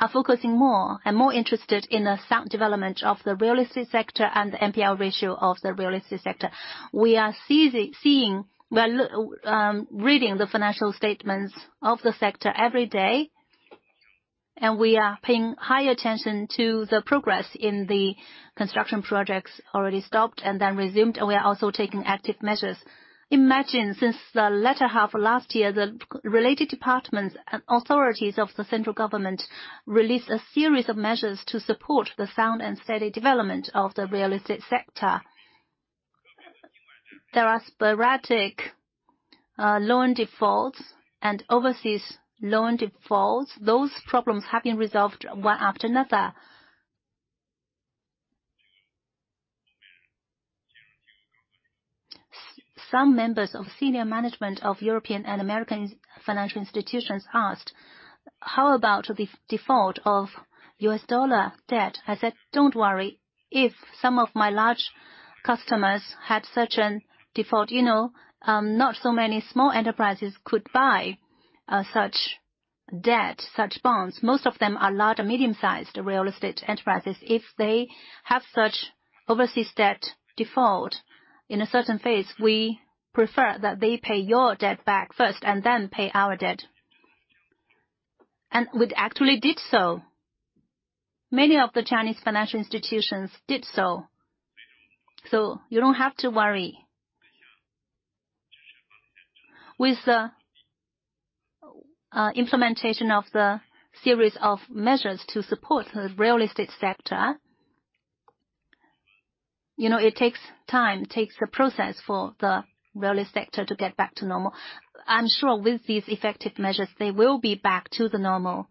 are focusing more and more interested in the sound development of the real estate sector and the NPL ratio of the real estate sector. We are seeing reading the financial statements of the sector every day, and we are paying high attention to the progress in the construction projects already stopped and then resumed. We are also taking active measures." Imagine, since the latter half of last year, the related departments and authorities of the central government released a series of measures to support the sound and steady development of the real estate sector. There are sporadic loan defaults and overseas loan defaults. Those problems have been resolved one after another. Some members of senior management of European and American financial institutions asked, "How about the default of US dollar debt?" I said, "Don't worry. If some of my large customers had such an default, you know, not so many small enterprises could buy such debt, such bonds. Most of them are large or medium-sized real estate enterprises. If they have such overseas debt default, in a certain phase, we prefer that they pay your debt back first and then pay our debt." We actually did so. Many of the Chinese financial institutions did so. You don't have to worry. With the implementation of the series of measures to support the real estate sector, you know, it takes time. It takes a process for the real estate sector to get back to normal. I'm sure with these effective measures, they will be back to the normal.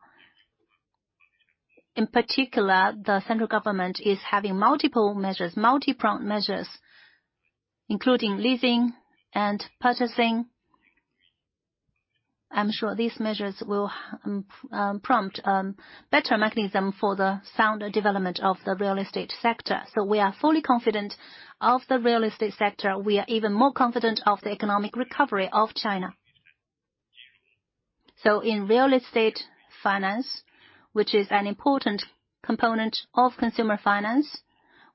In particular, the central government is having multiple measures, multipronged measures, including leasing and purchasing. I'm sure these measures will prompt better mechanism for the sound development of the real estate sector. We are fully confident of the real estate sector. We are even more confident of the economic recovery of China. In real estate finance, which is an important component of consumer finance,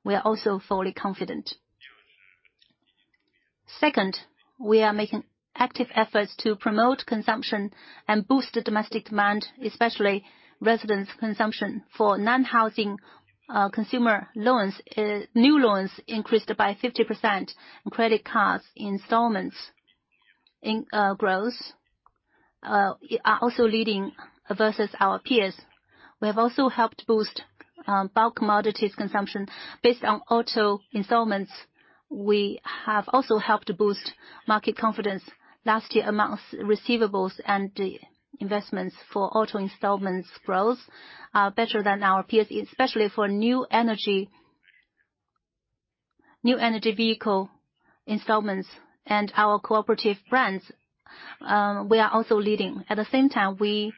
we are also fully confident. Second, we are making active efforts to promote consumption and boost the domestic demand, especially residents' consumption. For non-housing consumer loans, new loans increased by 50%, and credit cards installments in growth are also leading versus our peers. We have also helped boost bulk commodities consumption based on auto installments. We have also helped boost market confidence last year amongst receivables and investments for auto installments growth better than our peers, especially for new energy vehicle installments and our cooperative brands, we are also leading. At the same time, we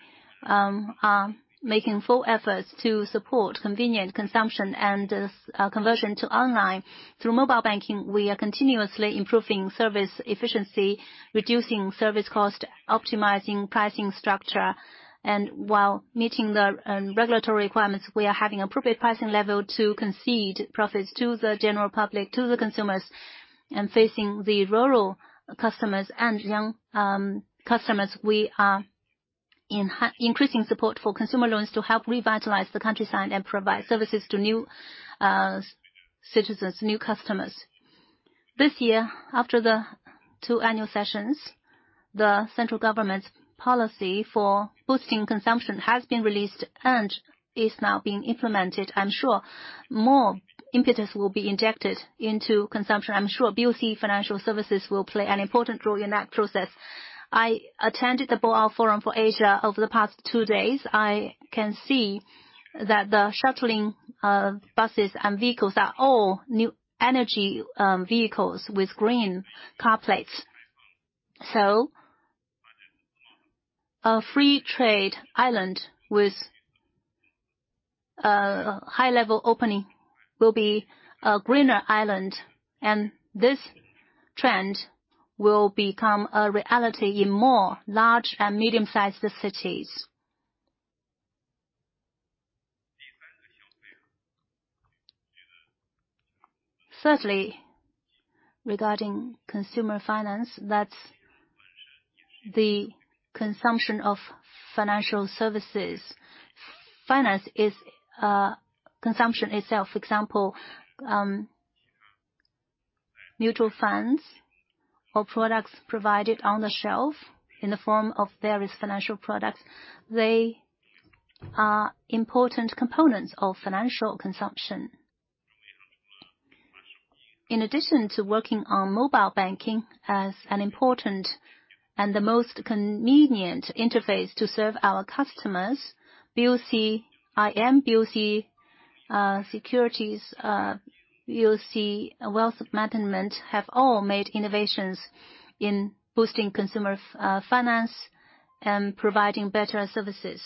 are making full efforts to support convenient consumption and conversion to online. Through mobile banking, we are continuously improving service efficiency, reducing service cost, optimizing pricing structure. While meeting the regulatory requirements, we are having appropriate pricing level to concede profits to the general public, to the consumers. Facing the rural customers and young customers, we are increasing support for consumer loans to help revitalize the countryside and provide services to new citizens, new customers. This year, after the two annual sessions, the central government's policy for boosting consumption has been released and is now being implemented. I'm sure more impetus will be injected into consumption. I'm sure BOC Financial Services will play an important role in that process. I attended the Boao Forum for Asia over the past two days. I can see that the shuttling buses and vehicles are all new energy vehicles with green car plates. A free trade island with a high level opening will be a greener island, and this trend will become a reality in more large and medium-sized cities. Thirdly, regarding consumer finance, that's the consumption of financial services. Finance is a consumption itself. Example, mutual funds or products provided on the shelf in the form of various financial products. They are important components of financial consumption. In addition to working on mobile banking as an important and the most convenient interface to serve our customers, BOCIM, BOC Securities, BOC Wealth Management have all made innovations in boosting consumer finance and providing better services.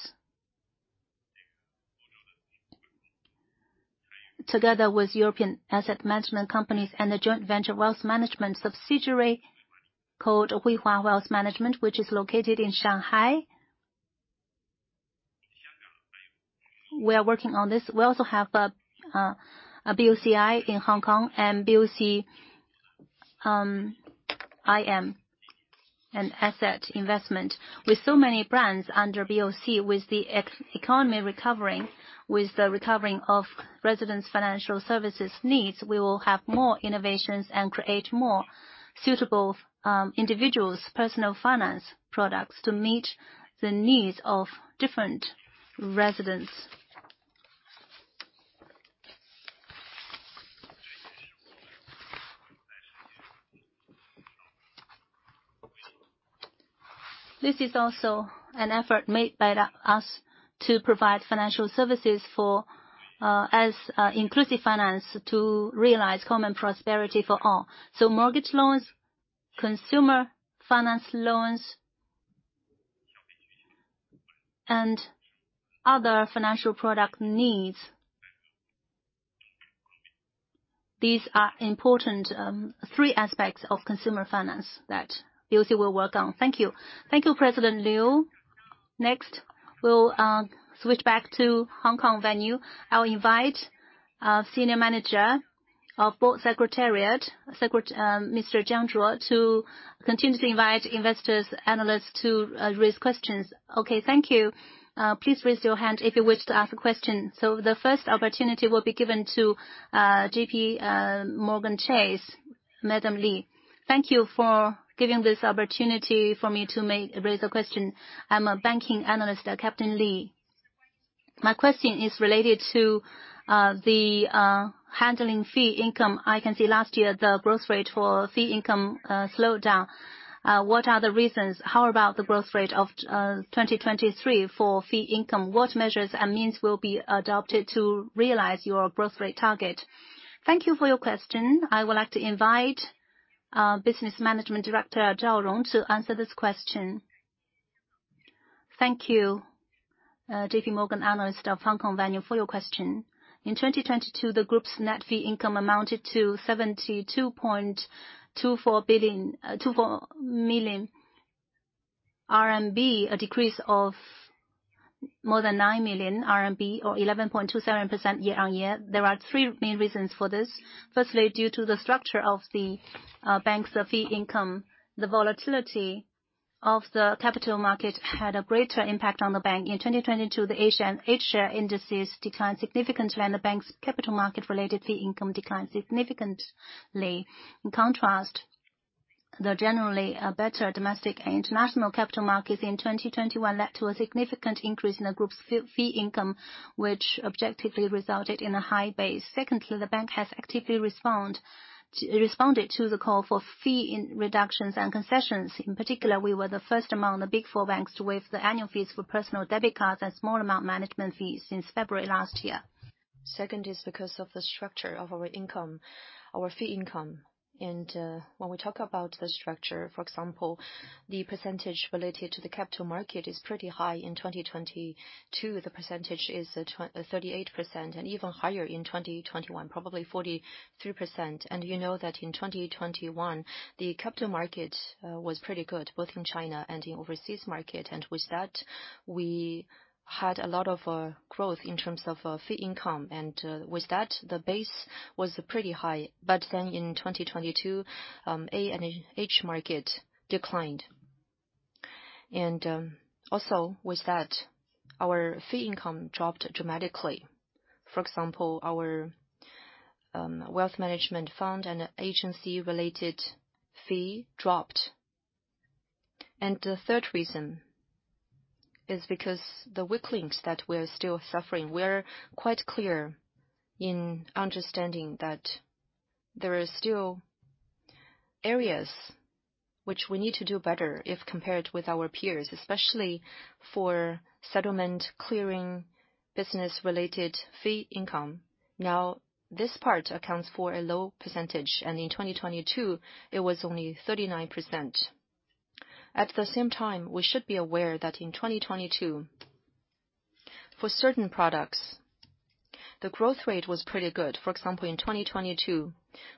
Together with European asset management companies and the joint venture wealth management subsidiary called Hui Hua Wealth Management, which is located in Shanghai. We are working on this. We also have a BOCI in Hong Kong and BOCIM and asset investment. With so many brands under BOC, with the economy recovering, with the recovering of residents' financial services needs, we will have more innovations and create more suitable individuals personal finance products to meet the needs of different residents. This is also an effort made by us to provide financial services for as inclusive finance to realize common prosperity for all. Mortgage loans, consumer finance loans, and other financial product needs. These are important, three aspects of consumer finance that BOC will work on. Thank you. Thank you, President Qiu. Next, we'll switch back to Hong Kong venue. I'll invite our Senior Manager of Board Secretariat, Mr. Jiang Zhuo, to continue to invite investors, analysts to raise questions. Okay, thank you. Please raise your hand if you wish to ask a question. The first opportunity will be given to JPMorgan Chase, Captain Lee. Thank you for giving this opportunity for me to raise a question. I'm a banking analyst, Captain Lee. My question is related to the handling fee income. I can see last year the growth rate for fee income slowed down. What are the reasons? How about the growth rate of 2023 for fee income? What measures and means will be adopted to realize your growth rate target? Thank you for your question. I would like to invite our Business Management Director, Zhao Rong, to answer this question. Thank you, JPMorgan analyst of Hong Kong venue, for your question. In 2022, the group's net fee income amounted to 72.24 million RMB, a decrease of more than 9 million RMB or 11.27% year-on-year. There are three main reasons for this. Firstly, due to the structure of the bank's fee income, the volatility of the capital market had a greater impact on the bank. In 2022, the H and H share indices declined significantly, and the bank's capital market-related fee income declined significantly. In contrast, the generally better domestic and international capital markets in 2021 led to a significant increase in the group's fee income, which objectively resulted in a high base. Secondly, the bank has actively responded to the call for fee in reductions and concessions. In particular, we were the first among the big four banks to waive the annual fees for personal debit cards and small amount management fees since February last year. Second is because of the structure of our income, our fee income. When we talk about the structure, for example, the percentage related to the capital market is pretty high. In 2022, the percentage is 38% and even higher in 2021, probably 43%. You know that in 2021, the capital market was pretty good, both in China and in overseas market. With that, we had a lot of growth in terms of fee income. With that, the base was pretty high. In 2022, A and H market declined. Also with that, our fee income dropped dramatically. For example, our wealth management fund and agency-related fee dropped. The third reason is because the weak links that we're still suffering, we're quite clear in understanding that there are still areas which we need to do better if compared with our peers, especially for settlement clearing. Business related fee income. Now this part accounts for a low percentage, and in 2022 it was only 39%. At the same time, we should be aware that in 2022, for certain products, the growth rate was pretty good. For example, in 2022,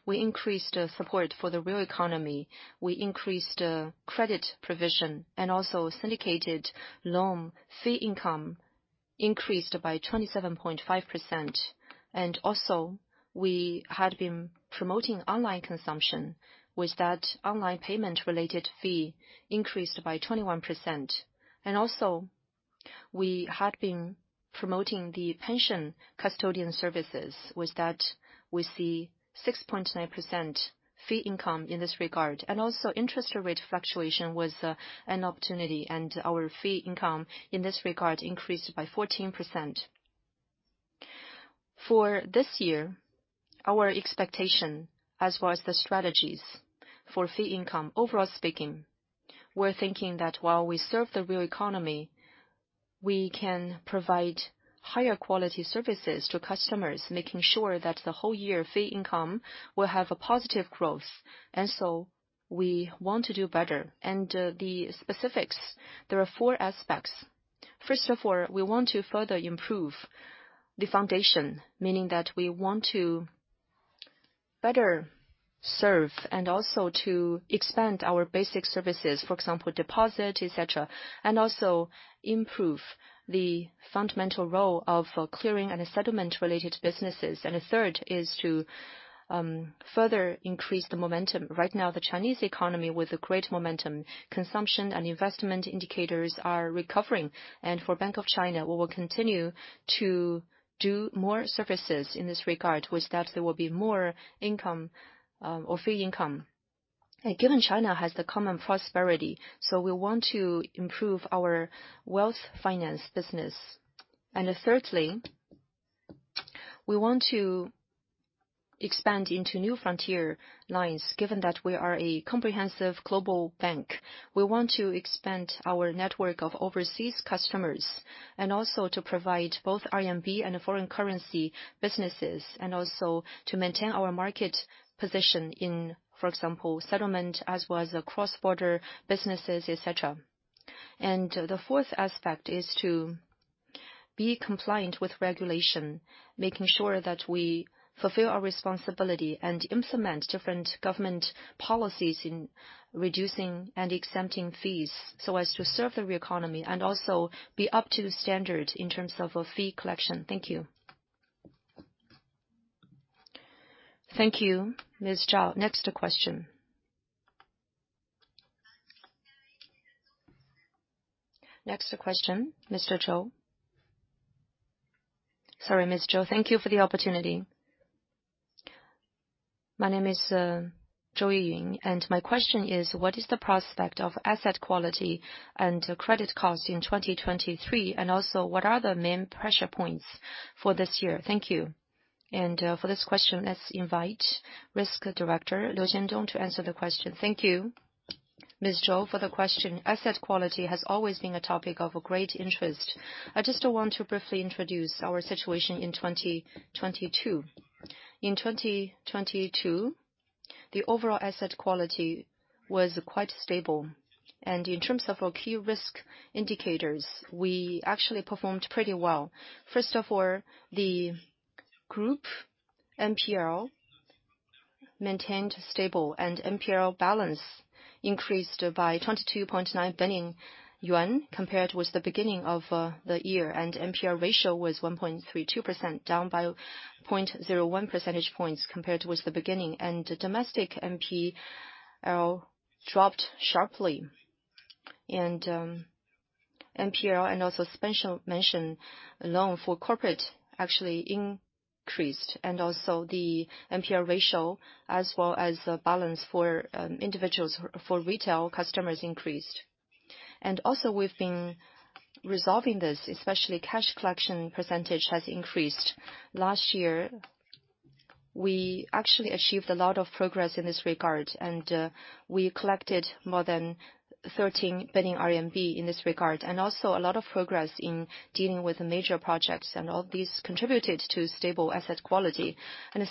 we increased support for the real economy. We increased credit provision. Syndicated loan fee income increased by 27.5%. We had been promoting online consumption with that online payment related fee increased by 21%. We had been promoting the pension custodian services With the 6.9% fee income in this regard. Interest rate fluctuation was an opportunity, and our fee income in this regard increased by 14%. For this year, our expectation as well as the strategies for fee income, overall speaking, we're thinking that while we serve the real economy, we can provide higher quality services to customers, making sure that the whole year fee income will have a positive growth. We want to do better. The specifics, there are four aspects. First of all, we want to further improve the foundation, meaning that we want to better serve and also to expand our basic services, for example, deposit, et cetera, and also improve the fundamental role of clearing and settlement-related businesses. The third is to further increase the momentum. Right now, the Chinese economy with a great momentum, consumption and investment indicators are recovering. For Bank of China, we will continue to do more services in this regard, with that, there will be more income, or fee income. Given China has the Common Prosperity, so we want to improve our wealth finance business. Thirdly, we want to expand into new frontier lines. Given that we are a comprehensive global bank, we want to expand our network of overseas customers, and also to provide both RMB and foreign currency businesses, and also to maintain our market position in, for example, settlement as well as cross-border businesses, et cetera. The fourth aspect is to be compliant with regulation, making sure that we fulfill our responsibility and implement different government policies in reducing and exempting fees so as to serve the real economy, and also be up to the standard in terms of a fee collection. Thank you. Thank you, Ms. Zhao. Next question. Next question, Mr. Zhou. Sorry, Ms. Zhou. Thank you for the opportunity. My name is Zhou Yanyan, and my question is, what is the prospect of asset quality and credit costs in 2023? Also, what are the main pressure points for this year? Thank you. For this question, let's invite Risk Director Liu Jiandong to answer the question. Thank you, Ms. Zhou, for the question. Asset quality has always been a topic of great interest. I just want to briefly introduce our situation in 2022. In 2022, the overall asset quality was quite stable. In terms of our key risk indicators, we actually performed pretty well. First of all, the group NPL maintained stable. NPL balance increased by 22.9 billion yuan compared with the beginning of the year. NPL ratio was 1.32%, down by 0.01 percentage points compared with the beginning. Domestic NPL dropped sharply. NPL and also special mention loan for corporate actually increased. The NPL ratio as well as the balance for individuals, for retail customers increased. We've been resolving this, especially cash collection percentage has increased. Last year, we actually achieved a lot of progress in this regard, we collected more than 13 billion RMB in this regard, also a lot of progress in dealing with major projects, all these contributed to stable asset quality.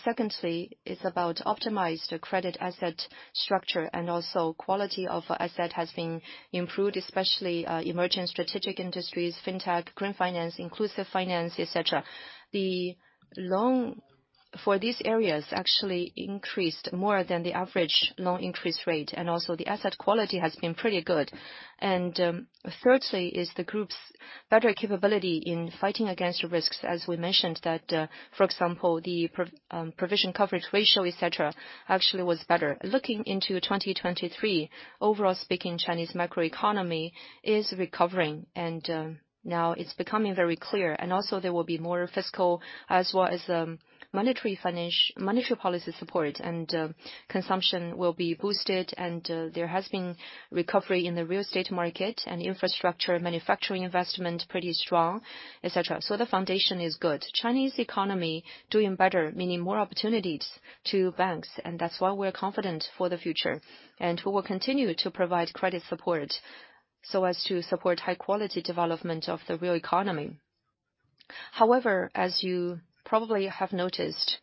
Secondly, it's about optimized credit asset structure and also quality of asset has been improved, especially emerging strategic industries, fintech, green finance, inclusive finance, et cetera. The loan for these areas actually increased more than the average loan increase rate, also the asset quality has been pretty good. Thirdly is the group's better capability in fighting against risks. As we mentioned that, for example, the provision coverage ratio, et cetera, actually was better. Looking into 2023, overall speaking, Chinese macroeconomy is recovering, now it's becoming very clear. Also there will be more fiscal as well as monetary policy support, consumption will be boosted, there has been recovery in the real estate market and infrastructure, manufacturing investment pretty strong, et cetera. The foundation is good. Chinese economy doing better, meaning more opportunities to banks. That's why we're confident for the future. We will continue to provide credit support so as to support high quality development of the real economy. However, as you probably have noticed,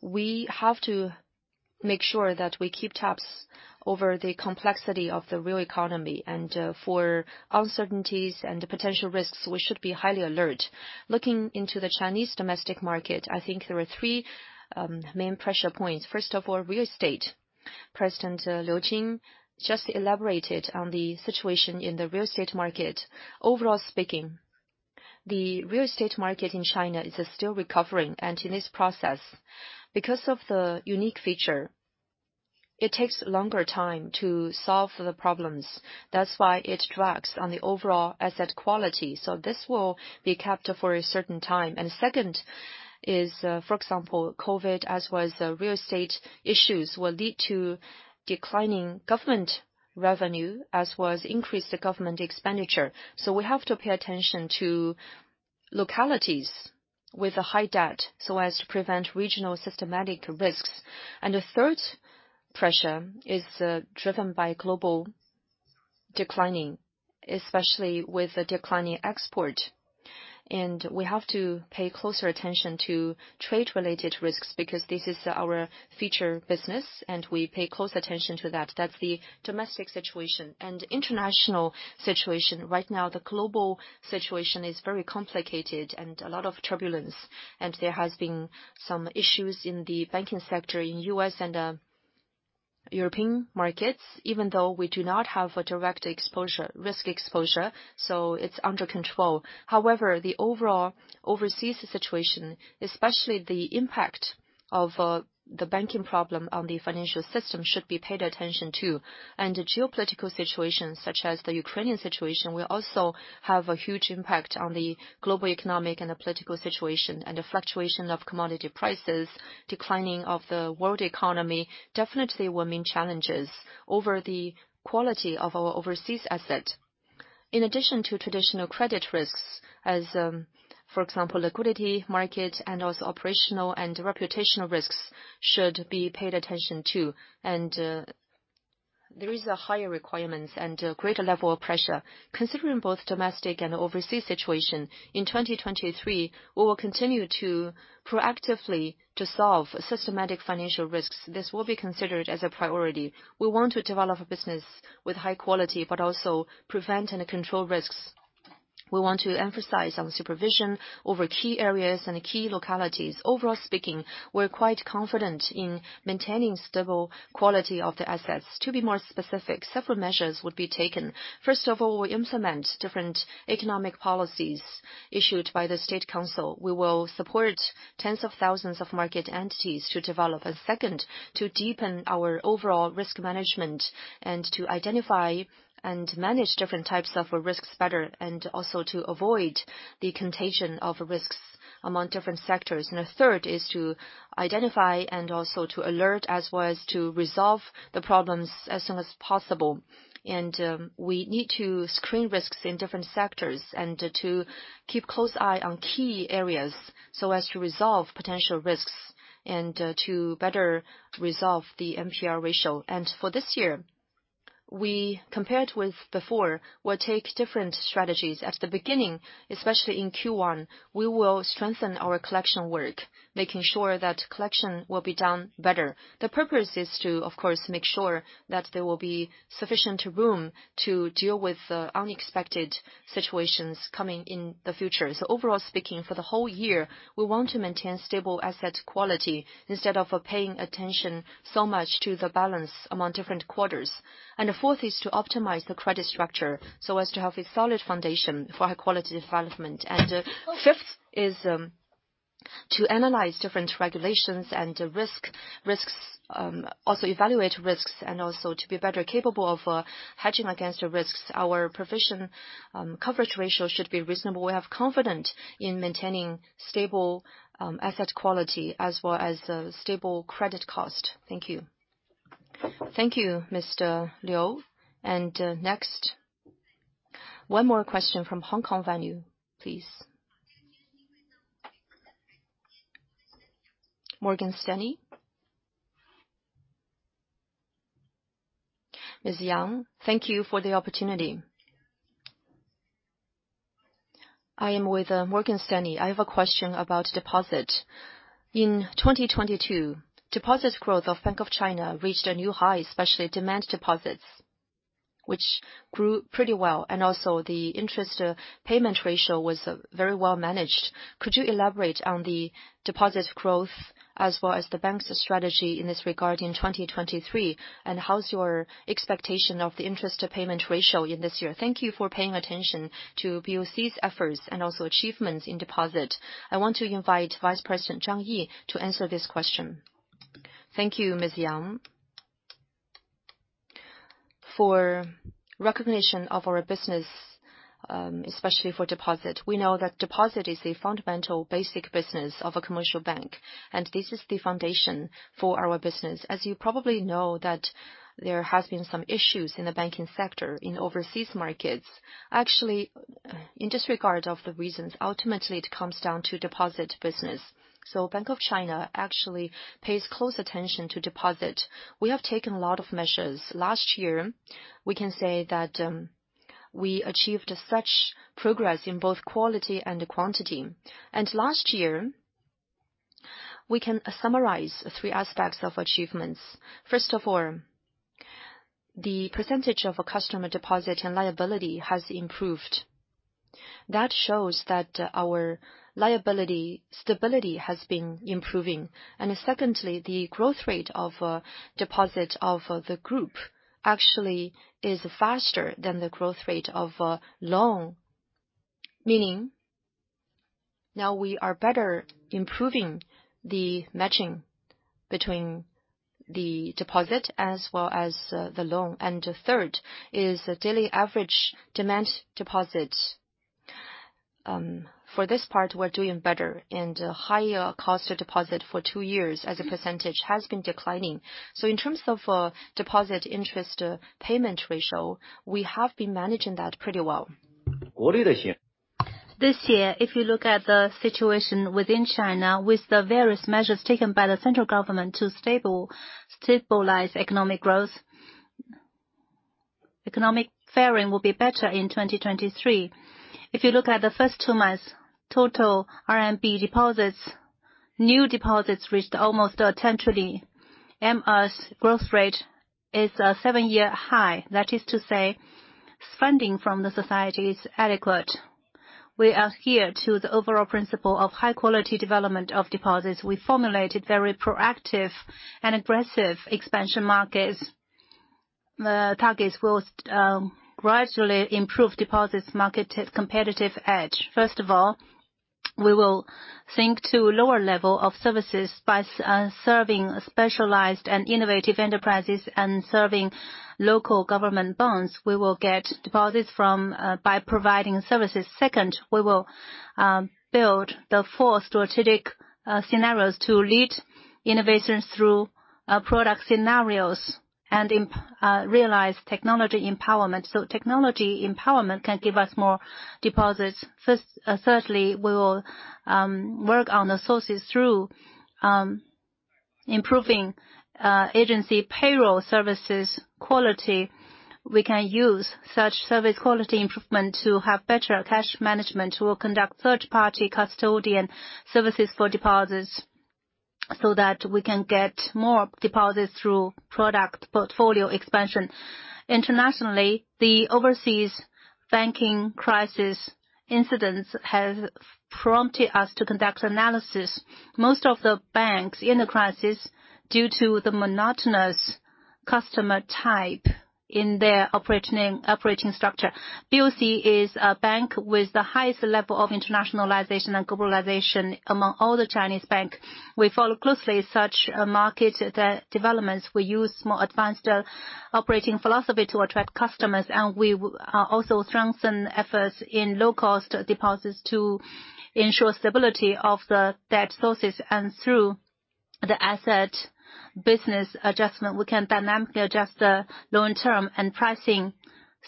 we have to make sure that we keep tabs over the complexity of the real economy and for uncertainties and potential risks, we should be highly alert. Looking into the Chinese domestic market, I think there are three main pressure points. First of all, real estate. President Liu Jin just elaborated on the situation in the real estate market. Overall speaking, the real estate market in China is still recovering, and in this process, because of the unique feature, it takes longer time to solve the problems. That's why it drags on the overall asset quality. This will be capped for a certain time. Second is, for example, COVID, as was the real estate issues, will lead to declining government revenue as was increase the government expenditure. We have to pay attention to localities with a high debt so as to prevent regional systematic risks. The third pressure is driven by global declining, especially with a declining export. We have to pay closer attention to trade-related risks because this is our future business, and we pay close attention to that. That's the domestic situation. International situation. Right now, the global situation is very complicated and a lot of turbulence, and there has been some issues in the banking sector in U.S. and European markets, even though we do not have a direct exposure, risk exposure, so it's under control. However, the overall overseas situation, especially the impact of the banking problem on the financial system, should be paid attention to. The geopolitical situation, such as the Ukrainian situation, will also have a huge impact on the global economic and the political situation, and the fluctuation of commodity prices, declining of the world economy, definitely will mean challenges over the quality of our overseas asset. In addition to traditional credit risks, for example, liquidity market and also operational and reputational risks should be paid attention to. There is a higher requirements and a greater level of pressure. Considering both domestic and overseas situation, in 2023, we will continue to proactively solve systematic financial risks. This will be considered as a priority. We want to develop a business with high quality, but also prevent and control risks. We want to emphasize on the supervision over key areas and key localities. Overall speaking, we're quite confident in maintaining stable quality of the assets. To be more specific, several measures would be taken. First of all, we implement different economic policies issued by the State Council. We will support tens of thousands of market entities to develop. Second, to deepen our overall risk management and to identify and manage different types of risks better and also to avoid the contagion of risks among different sectors. The third is to identify and also to alert, as well as to resolve the problems as soon as possible. We need to screen risks in different sectors and to keep close eye on key areas so as to resolve potential risks and to better resolve the NPL ratio. For this year, we compared with before, we'll take different strategies. At the beginning, especially in Q1, we will strengthen our collection work, making sure that collection will be done better. The purpose is to, of course, make sure that there will be sufficient room to deal with unexpected situations coming in the future. Overall speaking, for the whole year, we want to maintain stable asset quality instead of paying attention so much to the balance among different quarters. The fourth is to optimize the credit structure so as to have a solid foundation for high-quality development. Fifth is to analyze different regulations and risks, also evaluate risks and also to be better capable of hedging against the risks. Our provision coverage ratio should be reasonable. We have confidence in maintaining stable asset quality as well as stable credit cost. Thank you. Thank you, Mr. Liu. Next, one more question from Hong Kong venue, please. Morgan Stanley? Ms. Yang, thank you for the opportunity. I am with Morgan Stanley. I have a question about deposit. In 2022, deposit growth of Bank of China reached a new high, especially demand deposits, which grew pretty well, and also the interest payment ratio was very well managed. Could you elaborate on the deposit growth as well as the bank's strategy in this regard in 2023? How's your expectation of the interest payment ratio in this year? Thank you for paying attention to BOC's efforts and also achievements in deposit. I want to invite Vice President Zhang Yi to answer this question. Thank you, Ms. Yang. For recognition of our business, especially for deposit, we know that deposit is a fundamental basic business of a commercial bank, and this is the foundation for our business. As you probably know that there has been some issues in the banking sector in overseas markets. Actually, in this regard of the reasons, ultimately, it comes down to deposit business. Bank of China actually pays close attention to deposit. We have taken a lot of measures. Last year, we can say that we achieved such progress in both quality and quantity. Last year- We can summarize three aspects of achievements. First of all, the percentage of a customer deposit and liability has improved. That shows that our liability stability has been improving. Secondly, the growth rate of deposit of the group actually is faster than the growth rate of loan, meaning now we are better improving the matching between the deposit as well as the loan. The third is the daily average demand deposit. For this part, we're doing better and higher cost of deposit for two years as a percentage has been declining. In terms of deposit interest payment ratio, we have been managing that pretty well. This year, if you look at the situation within China, with the various measures taken by the central government to stabilize economic growth, economic varying will be better in 2023. If you look at the first two months, total RMB deposits, new deposits reached almost a tenth of the MS growth rate is a seven-year high. That is to say, funding from the society is adequate. We adhere to the overall principle of high quality development of deposits. We formulated very proactive and aggressive expansion markets. The targets will gradually improve deposits market competitive edge. First of all, we will think to lower level of services by serving specialized and innovative enterprises and serving local government bonds. We will get deposits from by providing services. Second, we will build the four strategic scenarios to lead innovations through product scenarios and realize technology empowerment. Technology empowerment can give us more deposits. Thirdly, we will work on the sources through improving agency payroll services quality. We can use such service quality improvement to have better cash management. We will conduct third-party custodian services for deposits so that we can get more deposits through product portfolio expansion. Internationally, the overseas banking crisis incidents has prompted us to conduct analysis. Most of the banks in the crisis, due to the monotonous customer type in their operating structure. BOC is a bank with the highest level of internationalization and globalization among all the Chinese banks. We follow closely such market developments. We use more advanced operating philosophy to attract customers, and we also strengthen efforts in low-cost deposits to ensure stability of the debt sources. Through the asset business adjustment, we can dynamically adjust the loan term and pricing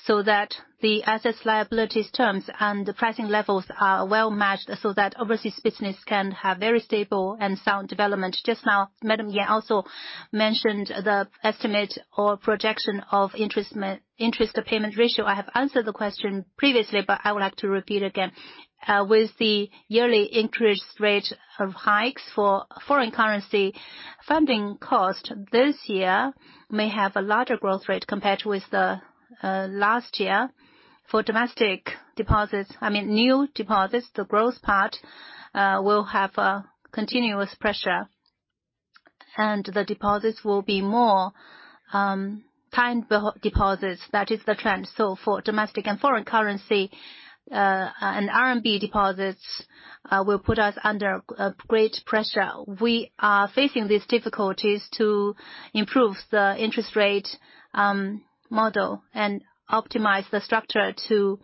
so that the assets liabilities terms and the pricing levels are well matched so that overseas business can have very stable and sound development. Just now, Madam Yang also mentioned the estimate or projection of interest payment ratio. I have answered the question previously. I would like to repeat again. With the yearly interest rate of hikes for foreign currency funding cost, this year may have a larger growth rate compared with the last year. For domestic deposits, I mean, new deposits, the growth part will have a continuous pressure. The deposits will be more time deposits. That is the trend. For domestic and foreign currency and RMB deposits will put us under a great pressure. We are facing these difficulties to improve the interest rate model and optimize the structure to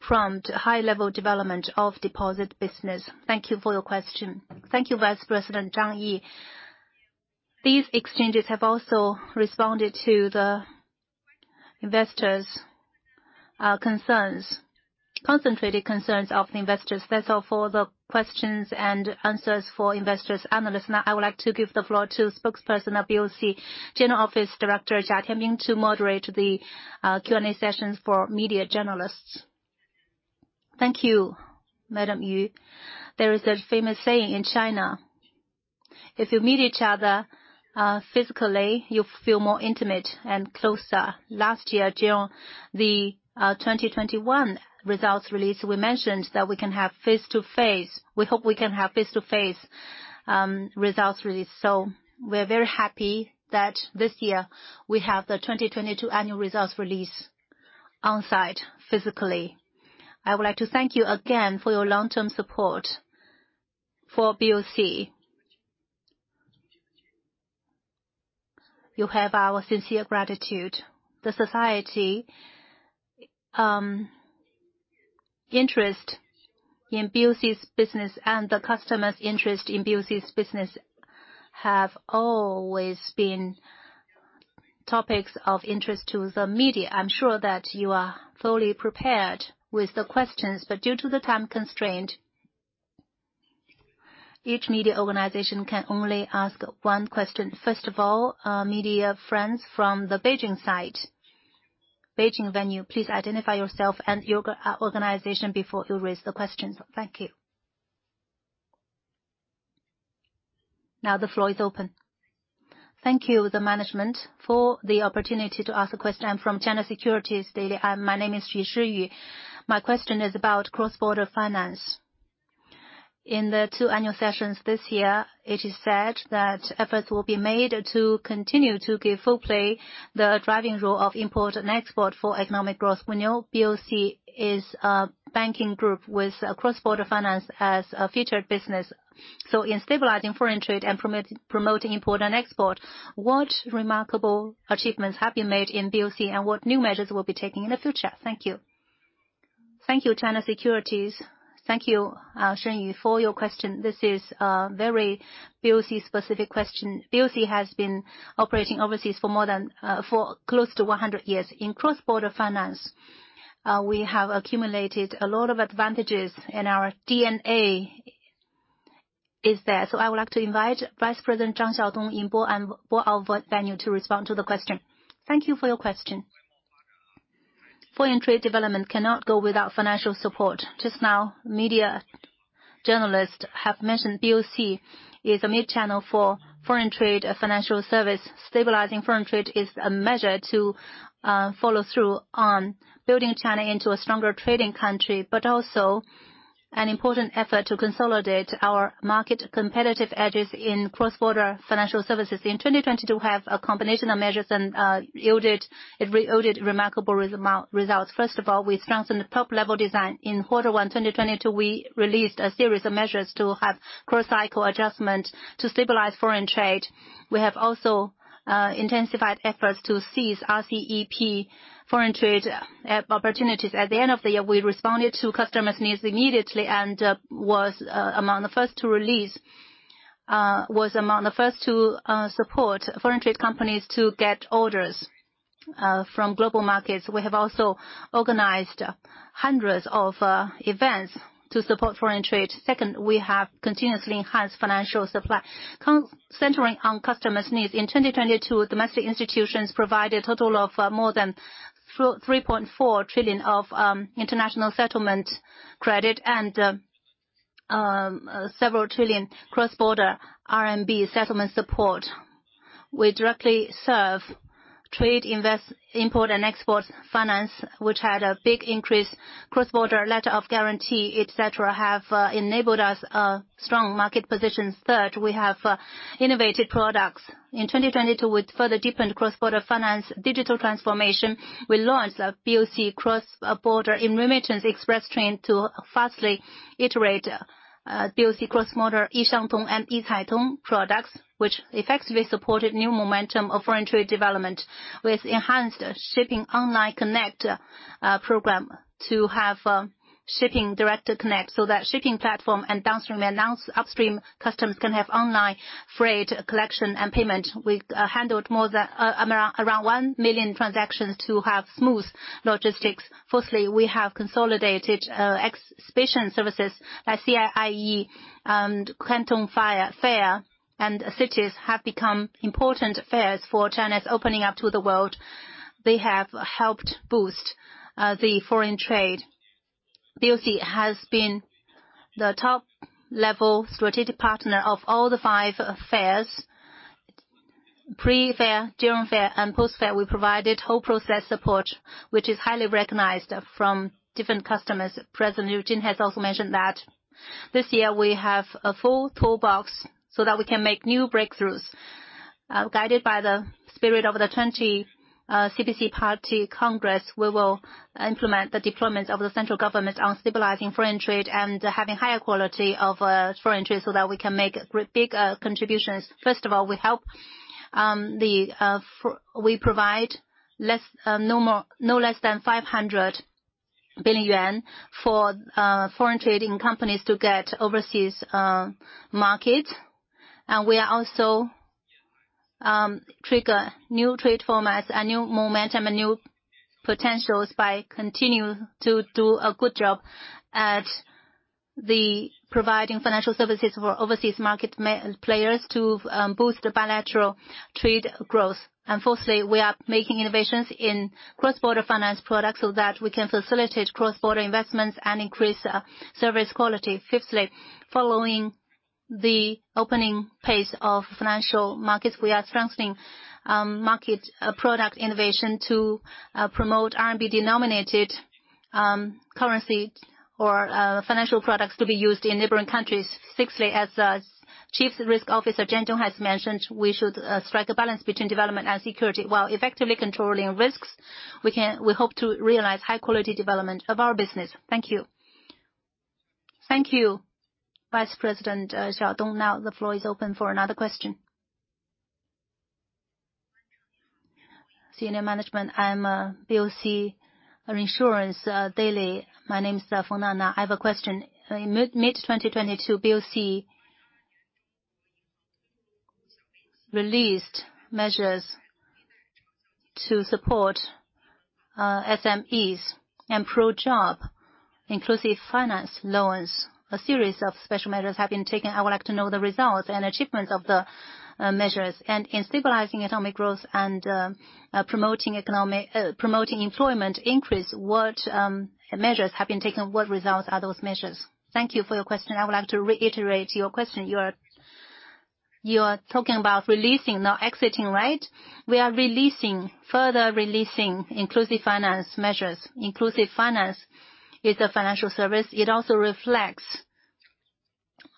prompt high level development of deposit business. Thank you for your question. Thank you, Vice President Zhang Yi. These exchanges have also responded to the investors' concerns, concentrated concerns of investors. That's all for the questions and answers for investors, analysts. Now I would like to give the floor to spokesperson of BOC, General Office Director Jia Tianbing to moderate the Q&A sessions for media journalists. Thank you, Madam Yu. There is a famous saying in China, "If you meet each other physically, you feel more intimate and closer." Last year, during the 2021 results release, we mentioned that we hope we can have face-to-face results release. We're very happy that this year we have the 2022 annual results release on-site physically. I would like to thank you again for your long-term support for BOC. You have our sincere gratitude. The society, interest in BOC's business and the customer's interest in BOC's business have always been topics of interest to the media. I'm sure that you are thoroughly prepared with the questions. Due to the time constraint, each media organization can only ask one question. First of all, media friends from the Beijing venue. Please identify yourself and your organization before you raise the questions. Thank you. Now the floor is open. Thank you, the management, for the opportunity to ask a question. I'm from China Securities Daily. My name is Shishi Yu. My question is about cross-border finance. In the two annual sessions this year, it is said that efforts will be made to continue to give full play the driving role of import and export for economic growth. We know BOC is a banking group with a cross-border finance as a featured business. In stabilizing foreign trade and promoting import and export, what remarkable achievements have you made in BOC, and what new measures will be taking in the future? Thank you. Thank you, China Securities. Thank you, Shishi Yu, for your question. This is a very BOC-specific question. BOC has been operating overseas for close to 100 years. In cross-border finance, we have accumulated a lot of advantages, and our DNA is there. I would like to invite Vice President Zhang Xiaodong in Boao venue to respond to the question. Thank you for your question. Foreign trade development cannot go without financial support. Just now, media journalists have mentioned BOC is a mid-channel for foreign trade, financial service. Stabilizing foreign trade is a measure to follow through on building China into a stronger trading country, but also an important effort to consolidate our market competitive edges in cross-border financial services. In 2022, we have a combination of measures and it yielded remarkable results. First of all, we strengthened the top-level design. In Q1 2022, we released a series of measures to have procycle adjustment to stabilize foreign trade. We have also intensified efforts to seize RCEP foreign trade opportunities. At the end of the year, we responded to customers' needs immediately and was among the first to support foreign trade companies to get orders from global markets. We have also organized hundreds of events to support foreign trade. Second, we have continuously enhanced financial supply centering on customers' needs. In 2022, domestic institutions provided total of more than $3.4 trillion international settlement credit and several trillion RMB cross-border settlement support. We directly serve trade, invest, import and export finance, which had a big increase. Cross-border letter of guarantee, et cetera, have enabled us a strong market position. Third, we have innovative products. In 2022, we further deepened cross-border finance digital transformation. We launched a BOC Cross-Border in remittance express train to fastly iterate BOC cross-border eShantong and eHaitong products, which effectively supported new momentum of foreign trade development. We have enhanced Shipping Online Connect program to have shipping direct connect so that shipping platform and downstream and upstream customers can have online freight collection and payment. We handled more than... around 1 million transactions to have smooth logistics. Fourthly, we have consolidated exhibition services like CIIE and Canton Fair, and cities have become important fairs for China's opening up to the world. They have helped boost the foreign trade. BOC has been the top-level strategic partner of all the 5 fairs. Pre-fair, during fair, and post-fair, we provided whole process support, which is highly recognized from different customers. President Liu Jin has also mentioned that. This year we have a full toolbox so that we can make new breakthroughs. Guided by the spirit of the 20 CPC Party Congress, we will implement the deployment of the central government on stabilizing foreign trade and having higher quality of foreign trade so that we can make big contributions. First of all, We provide no more, no less than 500 billion yuan for foreign trading companies to get overseas market. We are also trigger new trade formats and new momentum and new potentials by continue to do a good job at the providing financial services for overseas market players to boost the bilateral trade growth. Fourthly, we are making innovations in cross-border finance products so that we can facilitate cross-border investments and increase service quality. Fifthly, following the opening pace of financial markets, we are strengthening market product innovation to promote RMB-denominated currency or financial products to be used in neighboring countries. Sixthly, as Chief Risk Officer Chen Dong has mentioned, we should strike a balance between development and security while effectively controlling risks. We hope to realize high quality development of our business. Thank you. Thank you, Vice President Zhang Xiaodong. Now the floor is open for another question. Senior management, I'm BOC Insurance Daily. My name is Feng Anna. I have a question. In mid-2022, BOC released measures to support SMEs and pro-job inclusive finance loans. A series of special measures have been taken. I would like to know the results and achievements of the measures. In stabilizing economic growth and promoting employment increase, what measures have been taken? What results are those measures? Thank you for your question. I would like to reiterate your question. You are talking about releasing not exiting, right? We are releasing, further releasing inclusive finance measures. Inclusive finance is a financial service. It also reflects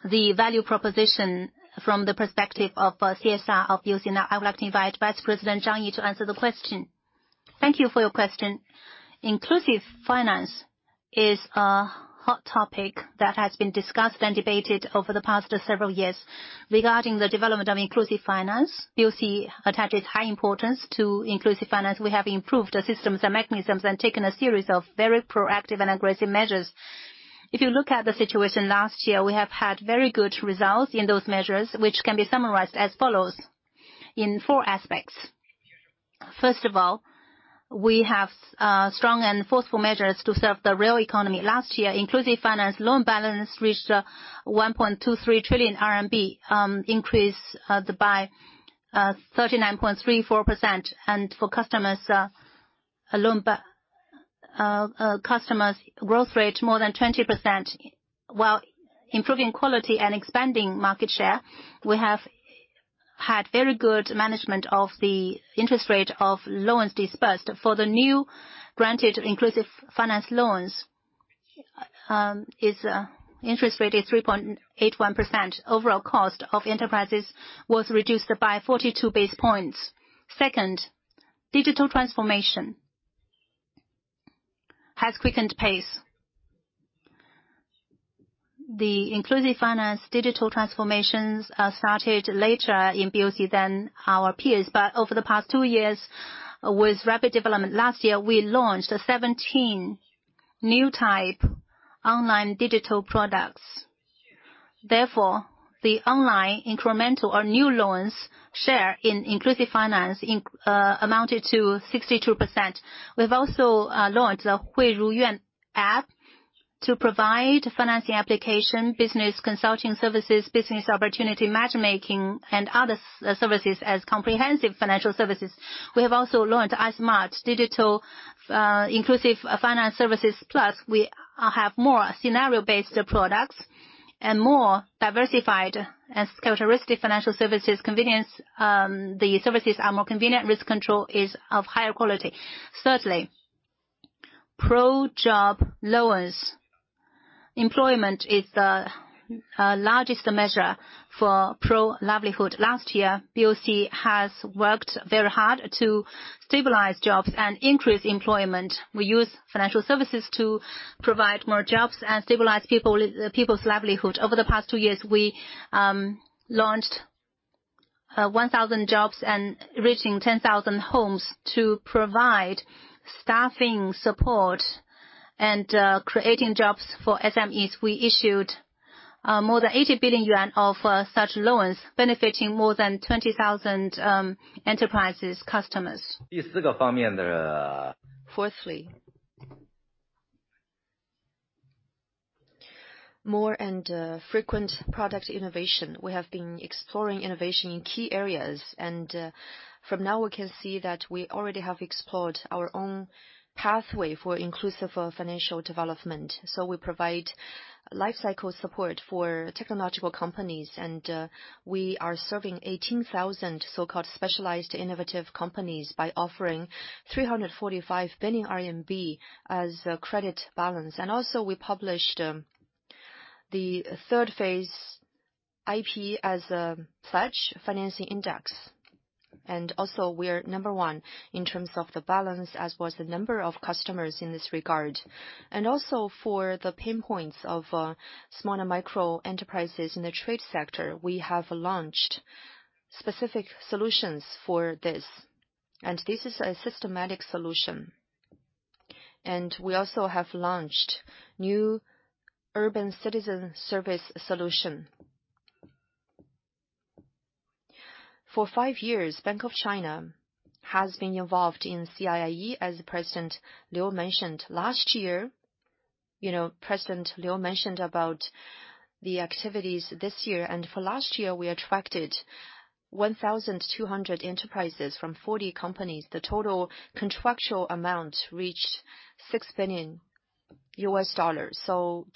the value proposition from the perspective of CSR of BOC. Now, I would like to invite Vice President Zhang Yi to answer the question. Thank you for your question. Inclusive finance is a hot topic that has been discussed and debated over the past several years. Regarding the development of inclusive finance, BOC attaches high importance to inclusive finance. We have improved the systems and mechanisms and taken a series of very proactive and aggressive measures. If you look at the situation last year, we have had very good results in those measures, which can be summarized as follows in four aspects. First of all, we have strong and forceful measures to serve the real economy. Last year, inclusive finance loan balance reached 1.23 trillion RMB, increased by 39.34%. For customers growth rate more than 20%. While improving quality and expanding market share, we have had very good management of the interest rate of loans dispersed. For the new granted inclusive finance loans, its interest rate is 3.81%. Overall cost of enterprises was reduced by 42 basis points. Second, digital transformation has quickened pace. The inclusive finance digital transformations started later in BOC than our peers. Over the past two years, with rapid development, last year we launched 17 new type online digital products. Therefore, the online incremental or new loans share in inclusive finance amounted to 62%. We've also launched the Huiru Yuan app to provide financing application, business consulting services, business opportunity matchmaking and other services as comprehensive financial services. We have also launched iSmart Digital Inclusive Finance Services Plus. We have more scenario-based products and more diversified and characteristic financial services, convenience, the services are more convenient, risk control is of higher quality. Thirdly, pro-job loans. Employment is the largest measure for pro-livelihood. Last year, BOC has worked very hard to stabilize jobs and increase employment. We use financial services to provide more jobs and stabilize people's livelihood. Over the past two years, we launched 1,000 jobs and reaching 10,000 homes to provide staffing support and creating jobs for SMEs. We issued more than 80 billion yuan of such loans, benefiting more than 20,000 enterprises customers. Fourthly. More frequent product innovation. We have been exploring innovation in key areas. From now, we can see that we already have explored our own pathway for inclusive financial development. We provide lifecycle support for technological companies, and we are serving 18,000 so-called specialized innovative companies by offering 345 billion RMB as a credit balance. Also, we published the third phase IP as a pledge financing index. Also, we are number 1 in terms of the balance as was the number of customers in this regard. Also for the pain points of small and micro-enterprises in the trade sector, we have launched specific solutions for this. This is a systematic solution. We also have launched new urban citizen service solution. For five years, Bank of China has been involved in CIIE, as President Liu mentioned. Last year, you know, President Liu mentioned about the activities this year. For last year, we attracted 1,200 enterprises from 40 companies. The total contractual amount reached $6 billion.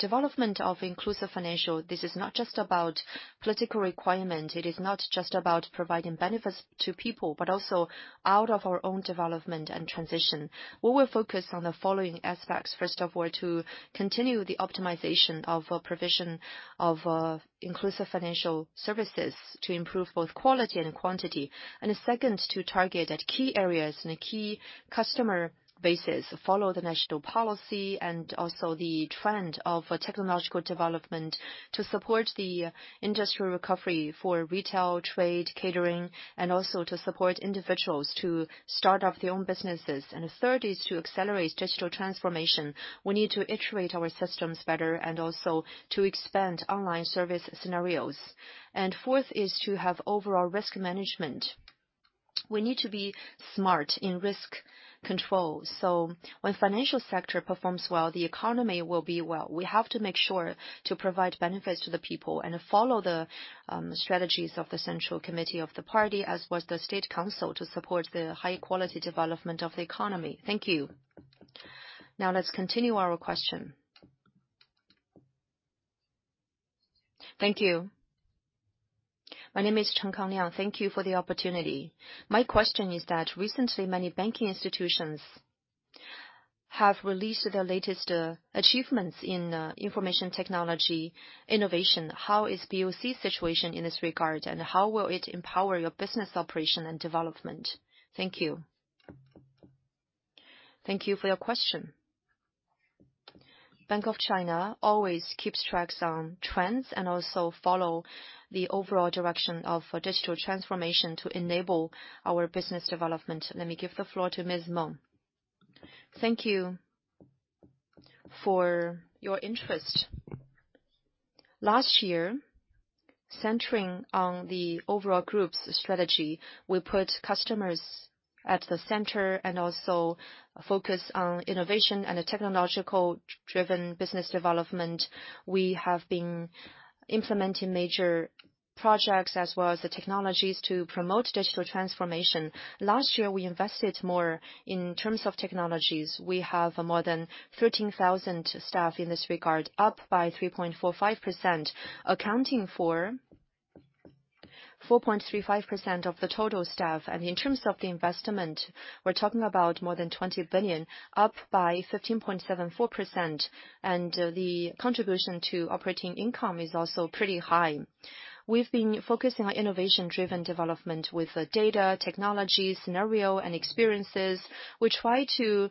Development of inclusive financial, this is not just about political requirement. It is not just about providing benefits to people, but also out of our own development and transition. We will focus on the following aspects. First of all, to continue the optimization of provision of inclusive financial services to improve both quality and quantity. Second, to target at key areas and key customer bases, follow the national policy and also the trend of technological development to support the industry recovery for retail, trade, catering, and also to support individuals to start up their own businesses. Third is to accelerate digital transformation. We need to iterate our systems better and also to expand online service scenarios. Fourth is to have overall risk management. We need to be smart in risk control. When financial sector performs well, the economy will be well. We have to make sure to provide benefits to the people and follow the strategies of the central committee of the party, as was the State Council, to support the high quality development of the economy. Thank you. Let's continue our question. Thank you. My name is Chen Kang Liang. Thank you for the opportunity. My question is that recently many banking institutions have released the latest achievements in information technology innovation. How is BOC situation in this regard, and how will it empower your business operation and development? Thank you. Thank you for your question. Bank of China always keeps tracks on trends and also follow the overall direction of digital transformation to enable our business development. Let me give the floor to Ms. Meng. Thank you for your interest. Last year, centering on the overall group's strategy, we put customers at the center and also focus on innovation and a technological-driven business development. We have been implementing major projects as well as the technologies to promote digital transformation. Last year, we invested more in terms of technologies. We have more than 13,000 staff in this regard, up by 3.45%, accounting for 4.35% of the total staff. In terms of the investment, we're talking about more than 20 billion, up by 15.74%. The contribution to operating income is also pretty high. We've been focusing on innovation-driven development with the data, technology, scenario, and experiences. We try to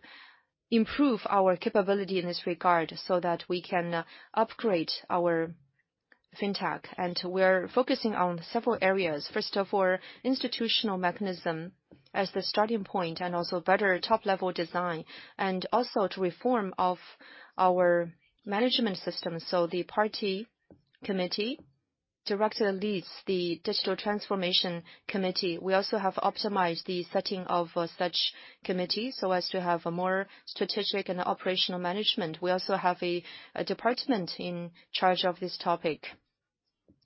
improve our capability in this regard so that we can upgrade our fintech. We're focusing on several areas. First of all, institutional mechanism as the starting point and also better top-level design and also to reform of our management system. The party committee director leads the digital transformation committee. We also have optimized the setting of such committee so as to have a more strategic and operational management. We also have a department in charge of this topic,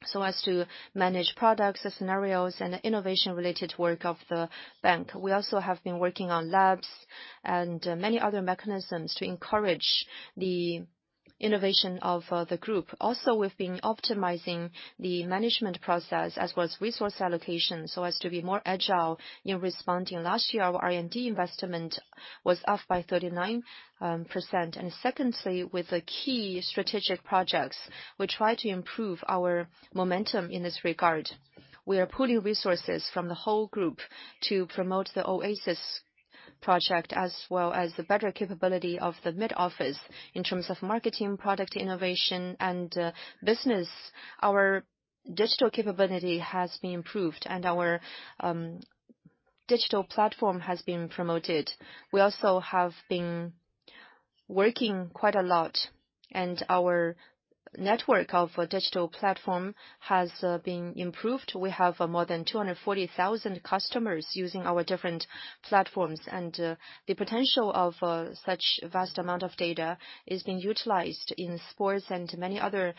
so as to manage products, scenarios, and innovation-related work of the bank. We also have been working on labs and many other mechanisms to encourage the innovation of the group. We've been optimizing the management process as well as resource allocation, so as to be more agile in responding. Last year, our R&D investment was up by 39%. Secondly, with the key strategic projects, we try to improve our momentum in this regard. We are pooling resources from the whole group to promote the OASIS project, as well as the better capability of the mid-office in terms of marketing, product innovation, and business. Our digital capability has been improved and our digital platform has been promoted. We also have been working quite a lot and our network of a digital platform has been improved. We have more than 240,000 customers using our different platforms. The potential of such vast amount of data is being utilized in sports and many other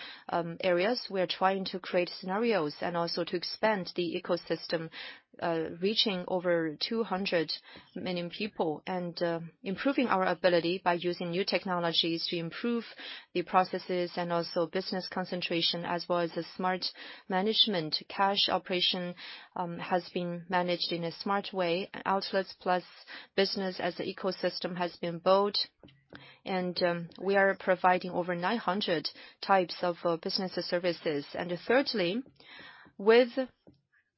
areas. We are trying to create scenarios and also to expand the ecosystem, reaching over 200 million people, improving our ability by using new technologies to improve the processes and also business concentration as well as the smart management. Cash operation has been managed in a smart way. Outlets plus business as an ecosystem has been built and we are providing over 900 types of business services. Thirdly, with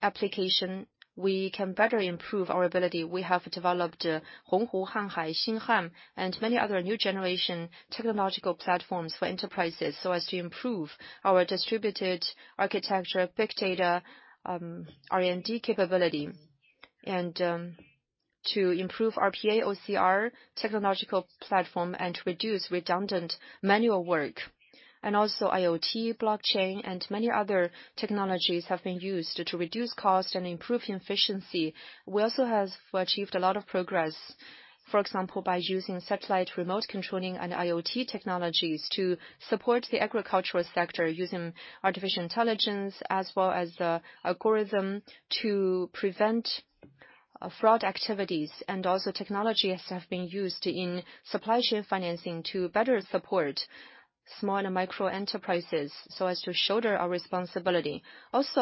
application, we can better improve our ability. We have developed Honghu, Hanhai, Xinghe, and many other new generation technological platforms for enterprises so as to improve our distributed architecture, big data, R&D capability. To improve RPA, OCR technological platform and to reduce redundant manual work. IoT, blockchain, and many other technologies have been used to reduce cost and improve efficiency. We also have achieved a lot of progress, for example, by using satellite remote controlling and IoT technologies to support the agricultural sector using artificial intelligence as well as the algorithm to prevent fraud activities. Technologies have been used in supply chain financing to better support small and micro-enterprises so as to shoulder our responsibility.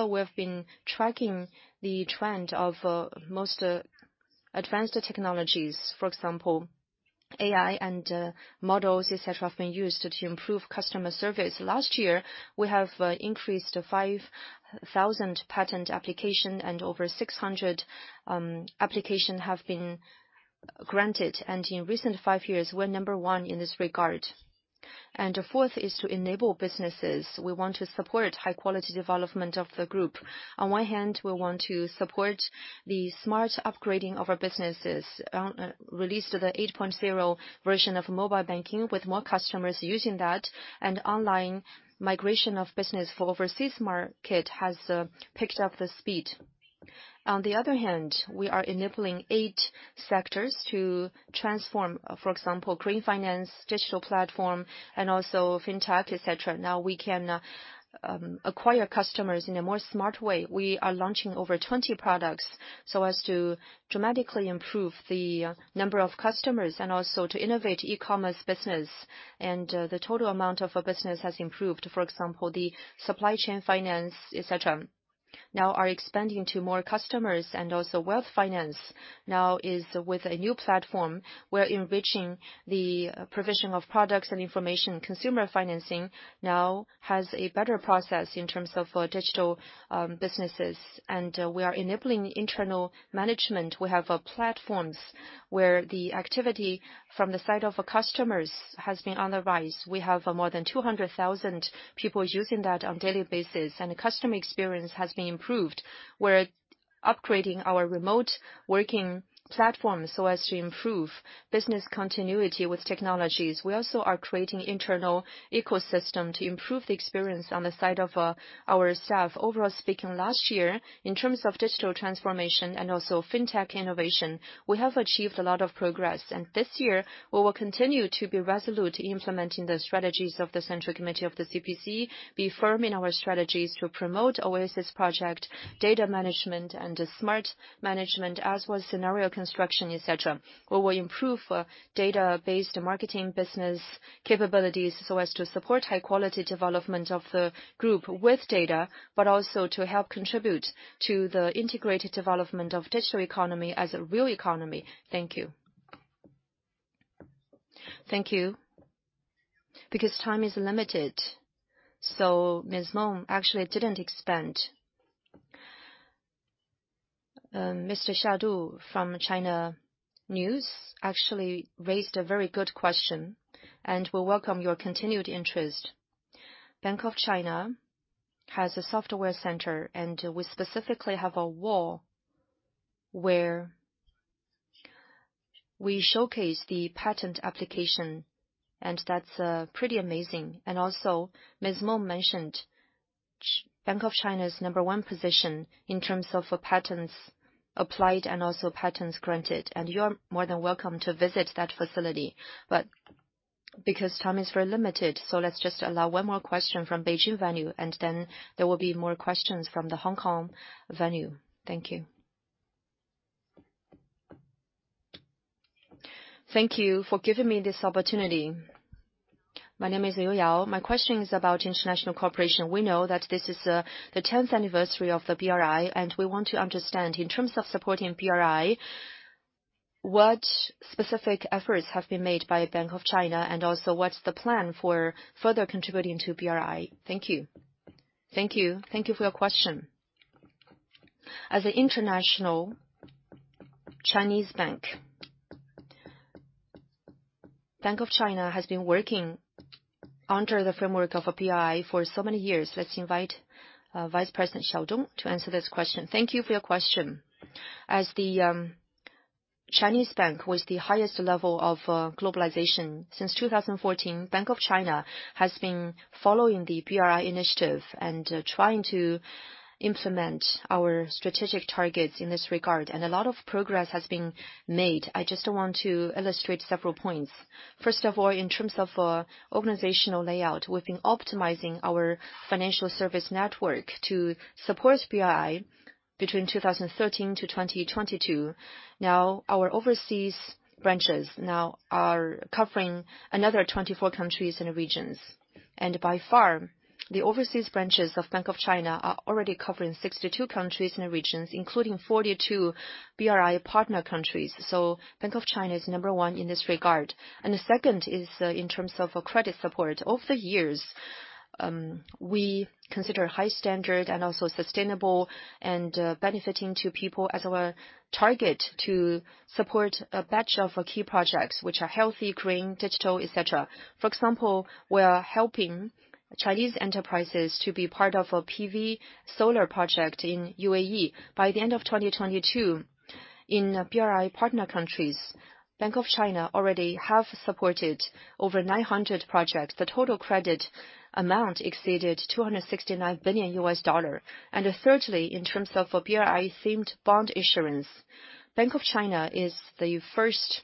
We've been tracking the trend of most advanced technologies. For example, AI and models, et cetera, have been used to improve customer service. Last year, we have increased 5,000 patent application and over 600 application have been granted. In recent five years, we're number one in this regard. Fourth is to enable businesses. We want to support high quality development of the group. On one hand, we want to support the smart upgrading of our businesses. released the 8.0 version of mobile banking with more customers using that and online migration of business for overseas market has picked up the speed. On the other hand, we are enabling eight sectors to transform, for example, green finance, digital platform, and also fintech, et cetera. Now we can acquire customers in a more smart way. We are launching over 20 products so as to dramatically improve the number of customers and also to innovate e-commerce business. The total amount of business has improved. For example, the supply chain finance, et cetera, now are expanding to more customers. Wealth finance now is with a new platform. We're enriching the provision of products and information. Consumer financing now has a better process in terms of digital businesses. We are enabling internal management. We have platforms where the activity from the side of our customers has been on the rise. We have more than 200,000 people using that on daily basis, and customer experience has been improved. We're upgrading our remote working platform so as to improve business continuity with technologies. We also are creating internal ecosystem to improve the experience on the side of our staff. Overall speaking, last year in terms of digital transformation and also fintech innovation, we have achieved a lot of progress. This year we will continue to be resolute in implementing the strategies of the central committee of the CPC, be firm in our strategies to promote OASIS project, data management and smart management, as well as scenario construction, et cetera. We will improve data-based marketing business capabilities so as to support high-quality development of the group with data, but also to help contribute to the integrated development of digital economy as a real economy. Thank you. Thank you. Time is limited, Ms. Meng actually didn't expand. Mr. Shadu from China News actually raised a very good question. We welcome your continued interest. Bank of China has a software center, and we specifically have a wall where we showcase the patent application and that's pretty amazing. Also, Ms. Meng mentioned Bank of China's number one position in terms of patents applied and also patents granted. You're more than welcome to visit that facility. Time is very limited, let's just allow one more question from Beijing venue. There will be more questions from the Hong Kong venue. Thank you. Thank you for giving me this opportunity. My name is Yu Yue. My question is about international cooperation. We know that this is the 10th anniversary of the BRI, we want to understand, in terms of supporting BRI, what specific efforts have been made by Bank of China and also what's the plan for further contributing to BRI? Thank you. Thank you. Thank you for your question. As an international Chinese bank, Bank of China has been working under the framework of BRI for so many years. Let's invite Vice President Xiaodong Zhang to answer this question. Thank you for your question. As the Chinese bank with the highest level of globalization, since 2014, Bank of China has been following the BRI initiative and trying to implement our strategic targets in this regard. A lot of progress has been made. I just want to illustrate several points. First of all, in terms of organizational layout, we've been optimizing our financial service network to support BRI between 2013-2022. Our overseas branches now are covering another 24 countries and regions. By far, the overseas branches of Bank of China are already covering 62 countries and regions, including 42 BRI partner countries. Bank of China is number one in this regard. The second is in terms of credit support. Over the years, we consider high standard and also sustainable and benefiting to people as our target to support a batch of key projects which are healthy, green, digital, et cetera. For example, we are helping Chinese enterprises to be part of a PV solar project in UAE. By the end of 2022, in BRI partner countries, Bank of China already have supported over 900 projects. The total credit amount exceeded $269 billion. Thirdly, in terms of BRI-themed bond issuance, Bank of China is the first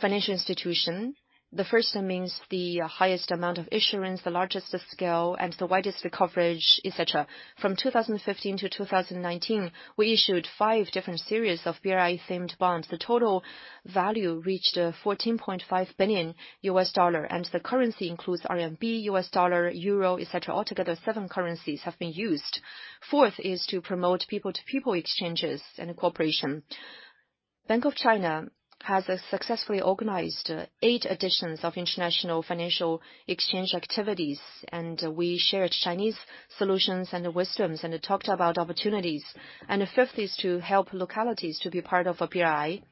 financial institution. The first means the highest amount of issuance, the largest scale, and the widest coverage, et cetera. From 2015-2019, we issued five different series of BRI-themed bonds. The total value reached $14.5 billion, and the currency includes RMB, USD, EUR, et cetera. Altogether, seven currencies have been used. Fourth is to promote people-to-people exchanges and cooperation. Bank of China has successfully organized eight editions of international financial exchange activities, and we shared Chinese solutions and wisdoms and talked about opportunities. The fifth is to help localities to be part of a BRI.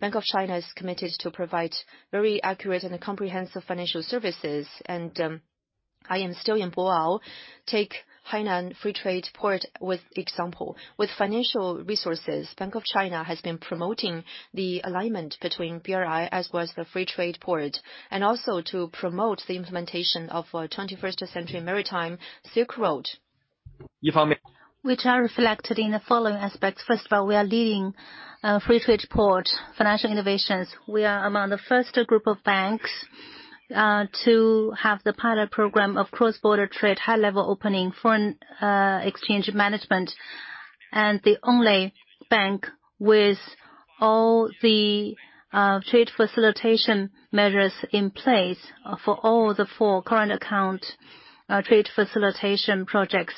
Bank of China is committed to provide very accurate and comprehensive financial services. I am still in Boao. Take Hainan Free Trade Port with example. With financial resources, Bank of China has been promoting the alignment between BRI as well as the free trade port, and also to promote the implementation of 21st Century Maritime Silk Road. Which are reflected in the following aspects. First of all, we are leading free trade port financial innovations. We are among the first group of banks to have the pilot program of cross-border trade, high-level opening, foreign exchange management, and the only bank with all the trade facilitation measures in place for all the four current account trade facilitation projects.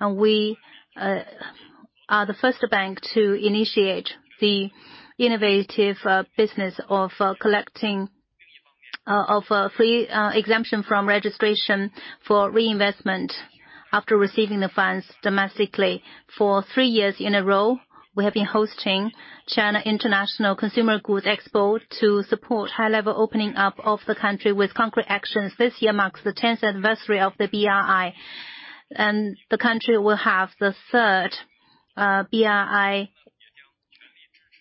We are the first bank to initiate the innovative business of collecting of free exemption from registration for reinvestment after receiving the funds domestically. For three years in a row, we have been hosting China International Consumer Products Expo to support high-level opening up of the country with concrete actions. This year marks the tenth anniversary of the BRI, and the country will have the third BRI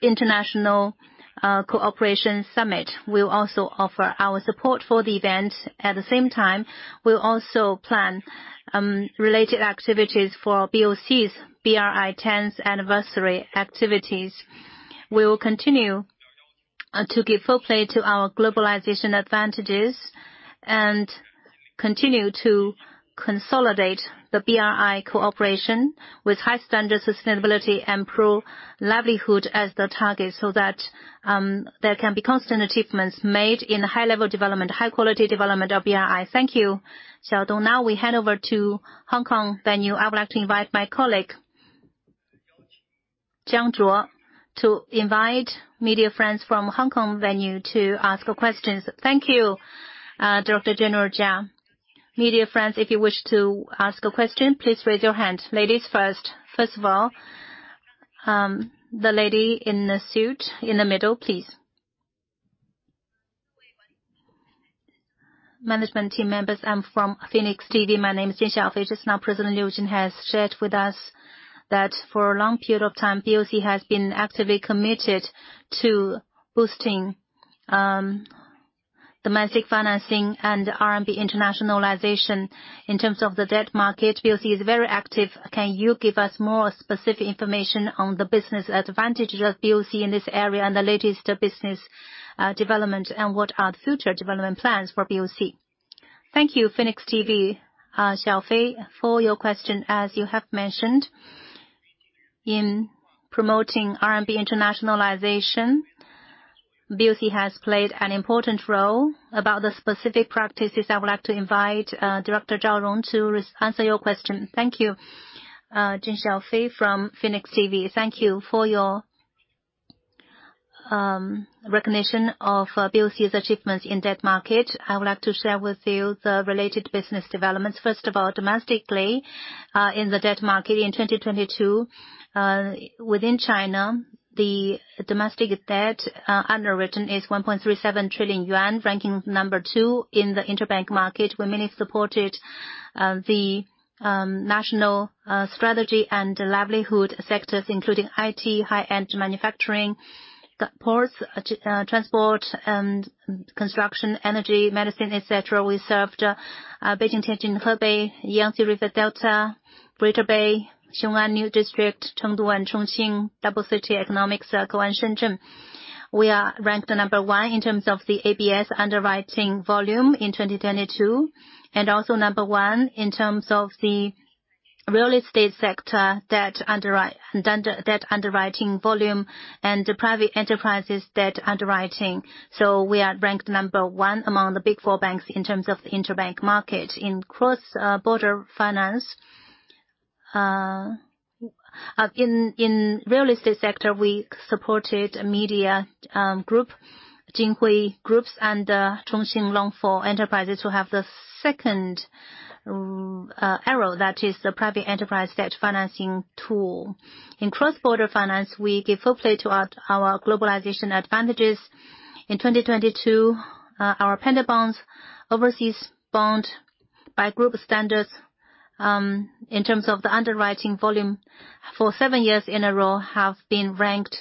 International Cooperation Summit. We'll also offer our support for the event. At the same time, we'll also plan related activities for BOC's BRI tenth anniversary activities. We will continue to give full play to our globalization advantages and continue to consolidate the BRI cooperation with high standards, sustainability and pro-livelihood as the target, so that there can be constant achievements made in high-level development, high quality development of BRI. Thank you, Xiaodong. Now we hand over to Hong Kong venue. I would like to invite my colleague, Jiang Zhuo to invite media friends from Hong Kong venue to ask for questions. Thank you, Director General Jia. Media friends, if you wish to ask a question, please raise your hand. Ladies first. First of all, the lady in the suit in the mid dle, please. Management team members. I'm from Phoenix TV. My name is Jin Xiaofei. Just now, President Liu Jin has shared with us that for a long period of time, BOC has been actively committed to boosting domestic financing and RMB internationalization. In terms of the debt market, BOC is very active. Can you give us more specific information on the business advantages of BOC in this area and the latest business development and what are the future development plans for BOC? Thank you, Phoenix TV, Xiaofei, for your question. As you have mentioned, in promoting RMB internationalization, BOC has played an important role. About the specific practices, I would like to invite Director Zhao Rong to answer your question. Thank you. Jin Xiaofei from Phoenix TV. Thank you for your recognition of BOC's achievements in debt market. I would like to share with you the related business developments. First of all, domestically, in the debt market in 2022, within China, the domestic debt underwritten is 1.37 trillion yuan, ranking number two in the interbank market. We mainly supported the national strategy and livelihood sectors, including IT, high-end manufacturing, the ports, transport and construction, energy, medicine, et cetera. We served Beijing-Tianjin-Hebei, Yangtze River Delta, Greater Bay, Xiong'an New District, Chengdu and Chongqing, double city economic circle, and Shenzhen. We are ranked number one in terms of the ABS underwriting volume in 2022, and also number one in terms of the real estate sector debt underwriting volume and private enterprises debt underwriting. We are ranked number one among the big four banks in terms of the interbank market. In cross-border finance. In real estate sector, we supported a media group, Jinhui Group, and Chongqing Longfor Enterprises to have the second arrow, that is the private enterprise debt financing tool. In cross-border finance, we give full play to our globalization advantages. In 2022, our panda bonds, overseas bond by group standards, in terms of the underwriting volume, for seven years in a row have been ranked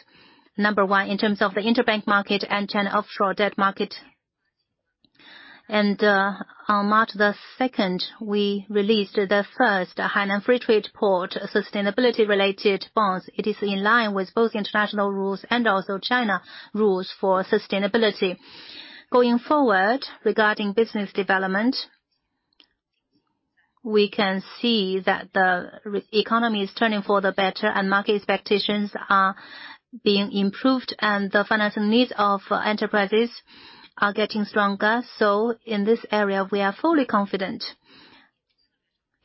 number 1 in terms of the interbank market and China offshore debt market. On March 2, we released the first Hainan Free Trade Port sustainability-linked bonds. It is in line with both international rules and also China rules for sustainability. Going forward, regarding business development, we can see that the economy is turning for the better and market expectations are being improved and the financing needs of enterprises are getting stronger. In this area, we are fully confident.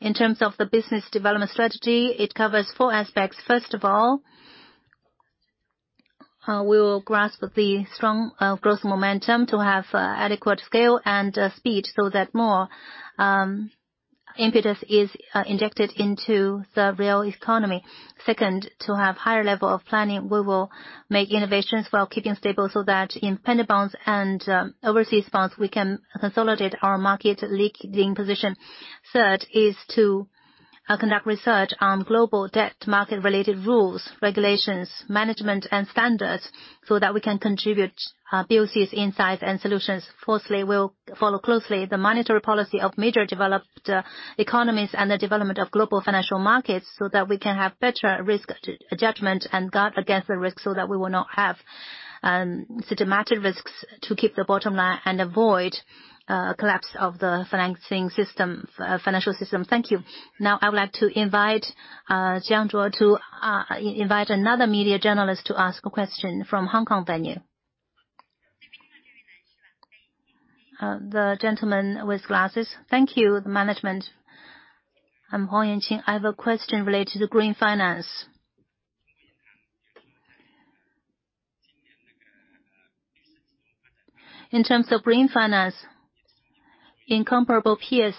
In terms of the business development strategy, it covers four aspects. First of all, we will grasp the strong growth momentum to have adequate scale and speed so that more impetus is injected into the real economy. Second, to have higher level of planning, we will make innovations while keeping stable, so that in Panda bonds and overseas bonds, we can consolidate our market leading position. Third is to conduct research on global debt market related rules, regulations, management and standards so that we can contribute BOC's insight and solutions. Fourthly, we'll follow closely the monetary policy of major developed economies and the development of global financial markets so that we can have better risk judgment and guard against the risk so that we will not have systematic risks to keep the bottom line and avoid collapse of the financial system. Thank you. Now I would like to invite Jiang Zhuo to invite another media journalist to ask a question from Hong Kong venue. The gentleman with glasses. Thank you, the management. I'm Huang Yanqing. I have a question related to green finance. In terms of green finance in comparable peers,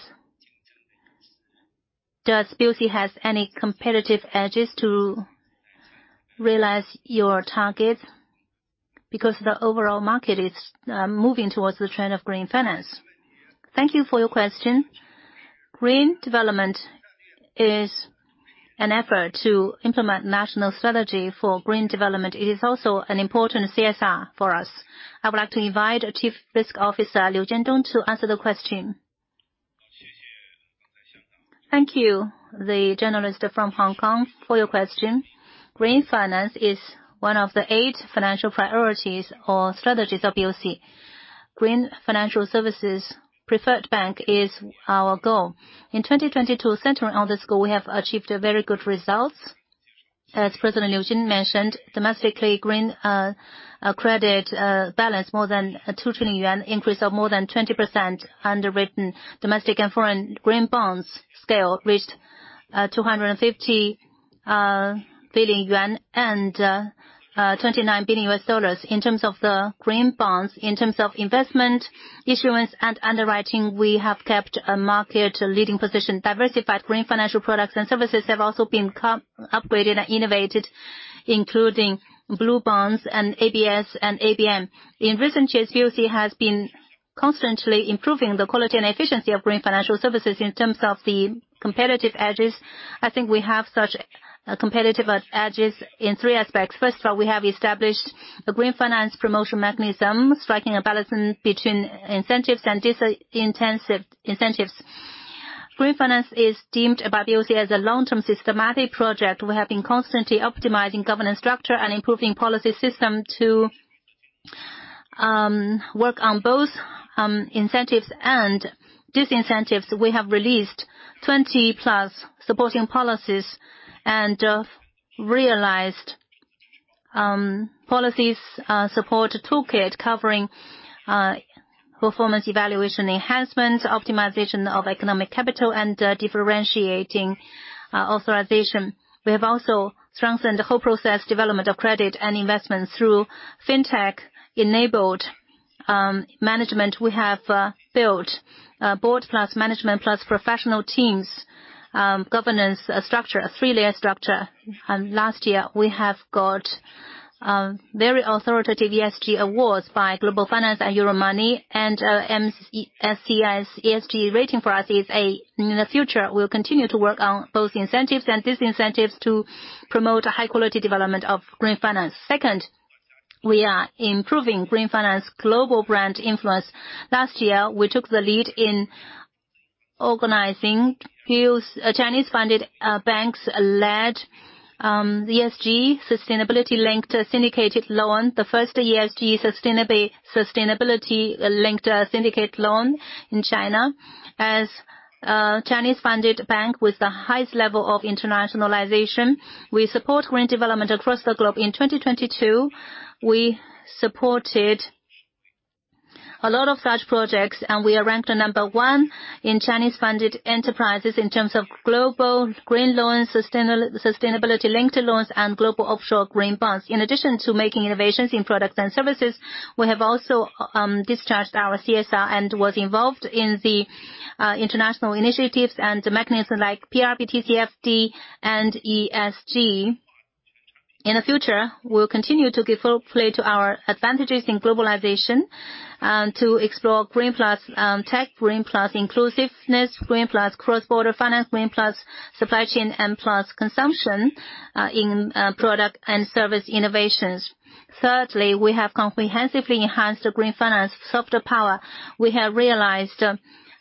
does BOC has any competitive edges to realize your targets? The overall market is moving towards the trend of green finance. Thank you for your question. Green development is an effort to implement national strategy for green development. It is also an important CSR for us. I would like to invite Chief Risk Officer Liu Jiandong to answer the question. Thank you, the journalist from Hong Kong for your question. Green finance is one of the eight financial priorities or strategies of BOC. Green financial services preferred bank is our goal. In 2022, centering on this goal, we have achieved very good results. As President Liu Jin mentioned, domestically, green credit balance more than 2 trillion yuan, increase of more than 20% underwritten. Domestic and foreign green bonds scale reached 250 billion yuan and $29 billion. In terms of the green bonds, in terms of investment, issuance and underwriting, we have kept a market leading position. Diversified green financial products and services have also been upgraded and innovated, including blue bonds and ABS and ABN. In recent years, BOC has been constantly improving the quality and efficiency of green financial services in terms of the competitive edges. I think we have such competitive edges in three aspects. First of all, we have established a green finance promotion mechanism, striking a balance between incentives and disincentives. Green finance is deemed by BOC as a long-term systematic project. We have been constantly optimizing governance structure and improving policy system to work on both incentives and disincentives. We have released 20+ supporting policies and realized policies support toolkit covering performance evaluation enhancement, optimization of economic capital and differentiating authorization. We have also strengthened the whole process development of credit and investment through fintech-enabled management. We have built a board plus management plus professional teams governance structure, a three-layer structure. Last year, we have got very authoritative ESG awards by Global Finance and Euromoney and MSCI's ESG rating for us is a... In the future, we'll continue to work on both incentives and disincentives to promote a high quality development of green finance. Second, we are improving green finance global brand influence. Last year, we took the lead in organizing few Chinese-funded banks-led ESG sustainability-linked syndicated loan, the first ESG sustainability linked syndicate loan in China. As a Chinese-funded bank with the highest level of internationalization, we support green development across the globe. In 2022, we supported a lot of such projects. We are ranked number one in Chinese-funded enterprises in terms of global green loans, sustainability linked loans and global offshore green bonds. In addition to making innovations in products and services, we have also discharged our CSR and was involved in the international initiatives and mechanism like PRB, TCFD and ESG. In the future, we'll continue to give full play to our advantages in globalization, and to explore green plus tech, green plus inclusiveness, green plus cross-border finance, green plus supply chain and plus consumption in product and service innovations. Thirdly, we have comprehensively enhanced the green finance soft power. We have realized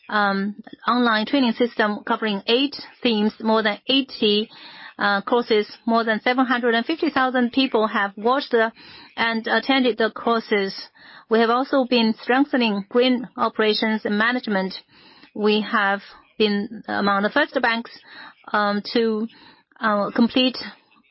online training system covering eight themes, more than 80 courses. More than 750,000 people have watched and attended the courses. We have also been strengthening green operations management. We have been among the first banks to complete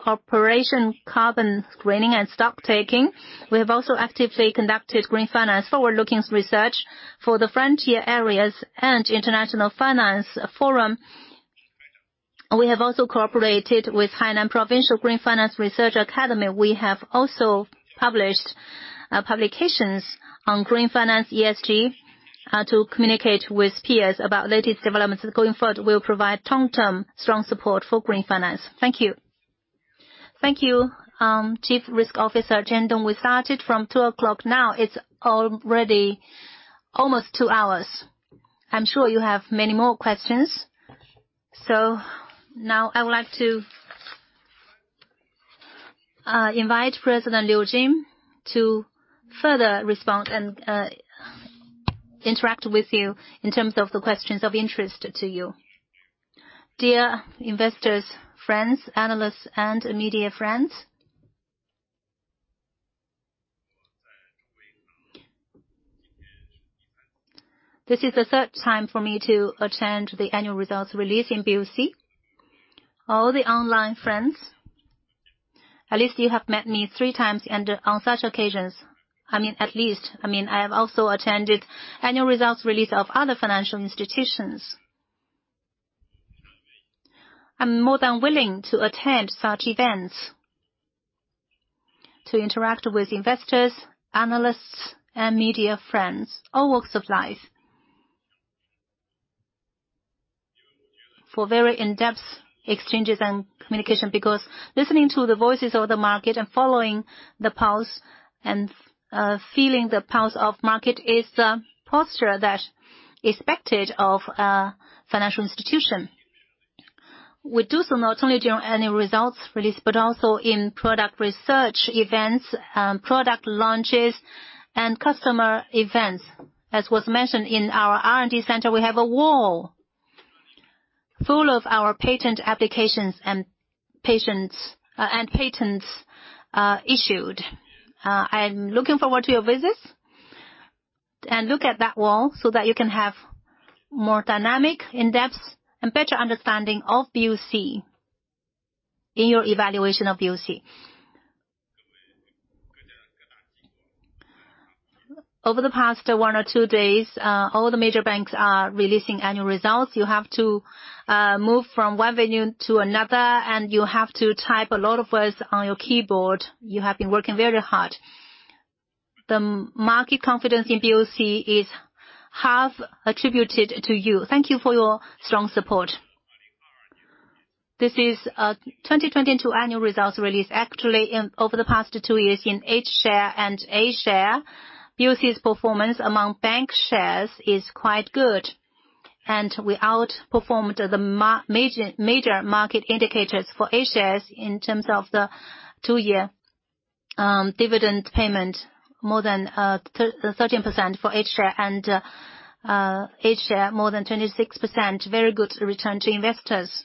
operation carbon screening and stocktaking. We have also actively conducted green finance forward-looking research for the frontier areas and international finance forum. We have also cooperated with Hainan Green Finance Research Institute. We have also published publications on green finance ESG to communicate with peers about latest developments. Going forward, we'll provide long-term strong support for green finance. Thank you. Thank you, Chief Risk Officer Liu Jiandong. We started from 2:00. Now it's already almost 2 hours. I'm sure you have many more questions. Now I would like to invite President Liu Jin to further respond and interact with you in terms of the questions of interest to you. Dear investors, friends, analysts, and media friends. This is the third time for me to attend the annual results release in BOC. All the online friends, at least you have met me 3 times and on such occasions. I mean, at least, I mean, I have also attended annual results release of other financial institutions. I'm more than willing to attend such events to interact with investors, analysts, and media friends, all walks of life. For very in-depth exchanges and communication, listening to the voices of the market and following the pulse and feeling the pulse of market is the posture that's expected of a financial institution. We do so not only during annual results release, but also in product research events, product launches, and customer events. As was mentioned in our R&D center, we have a wall full of our patent applications and patents issued. I'm looking forward to your visits, look at that wall so that you can have more dynamic, in-depth, and better understanding of BOC in your evaluation of BOC. Over the past one or two days, all the major banks are releasing annual results. You have to move from one venue to another, you have to type a lot of words on your keyboard. You have been working very hard. The market confidence in BOC is half attributed to you. Thank you for your strong support. This is 2022 annual results release. Actually, in over the past two years in H share and A share, BOC's performance among bank shares is quite good, we outperformed the major market indicators for A shares in terms of the two-year dividend payment, more than 13% for H share and H share more than 26%. Very good return to investors.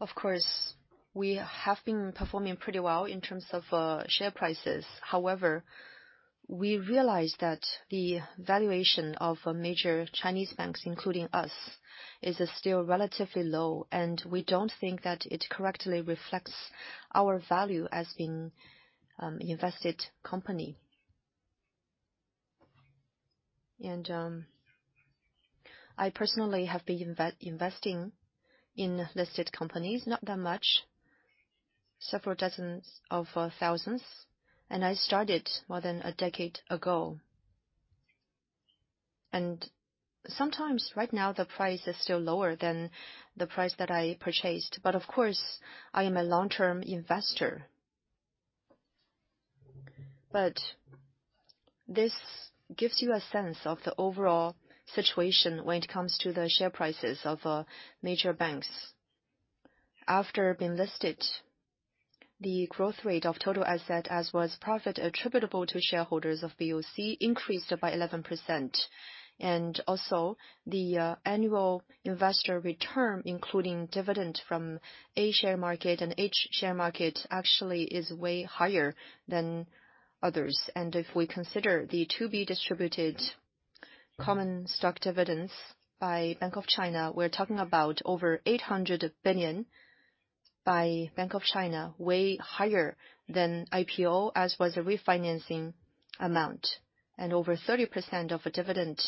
Of course, we have been performing pretty well in terms of share prices. However, we realize that the valuation of major Chinese banks, including us, is still relatively low, and we don't think that it correctly reflects our value as in invested company. I personally have been investing in listed companies, not that much, several dozens of thousands, and I started more than a decade ago. Sometimes right now the price is still lower than the price that I purchased, but of course, I am a long-term investor. This gives you a sense of the overall situation when it comes to the share prices of major banks. After being listed, the growth rate of total asset as was profit attributable to shareholders of BOC increased by 11%. The annual investor return, including dividend from A share market and H share market, actually is way higher than others. If we consider the to-be distributed common stock dividends by Bank of China, we're talking about over 800 billion by Bank of China, way higher than IPO, as was the refinancing amount. Over 30% of a dividend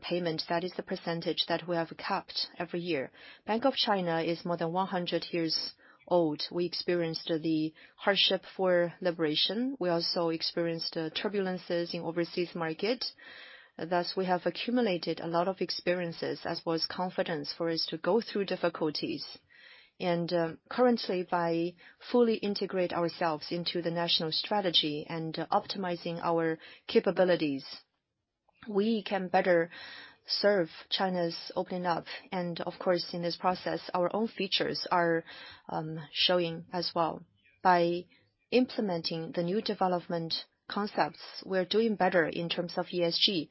payment, that is the percentage that we have kept every year. Bank of China is more than 100 years old. We experienced the hardship for liberation. We also experienced turbulences in overseas market. Thus, we have accumulated a lot of experiences as was confidence for us to go through difficulties. Currently, by fully integrate ourselves into the national strategy and optimizing our capabilities, we can better serve China's opening up. Of course, in this process, our own features are showing as well. By implementing the new development concepts, we're doing better in terms of ESG.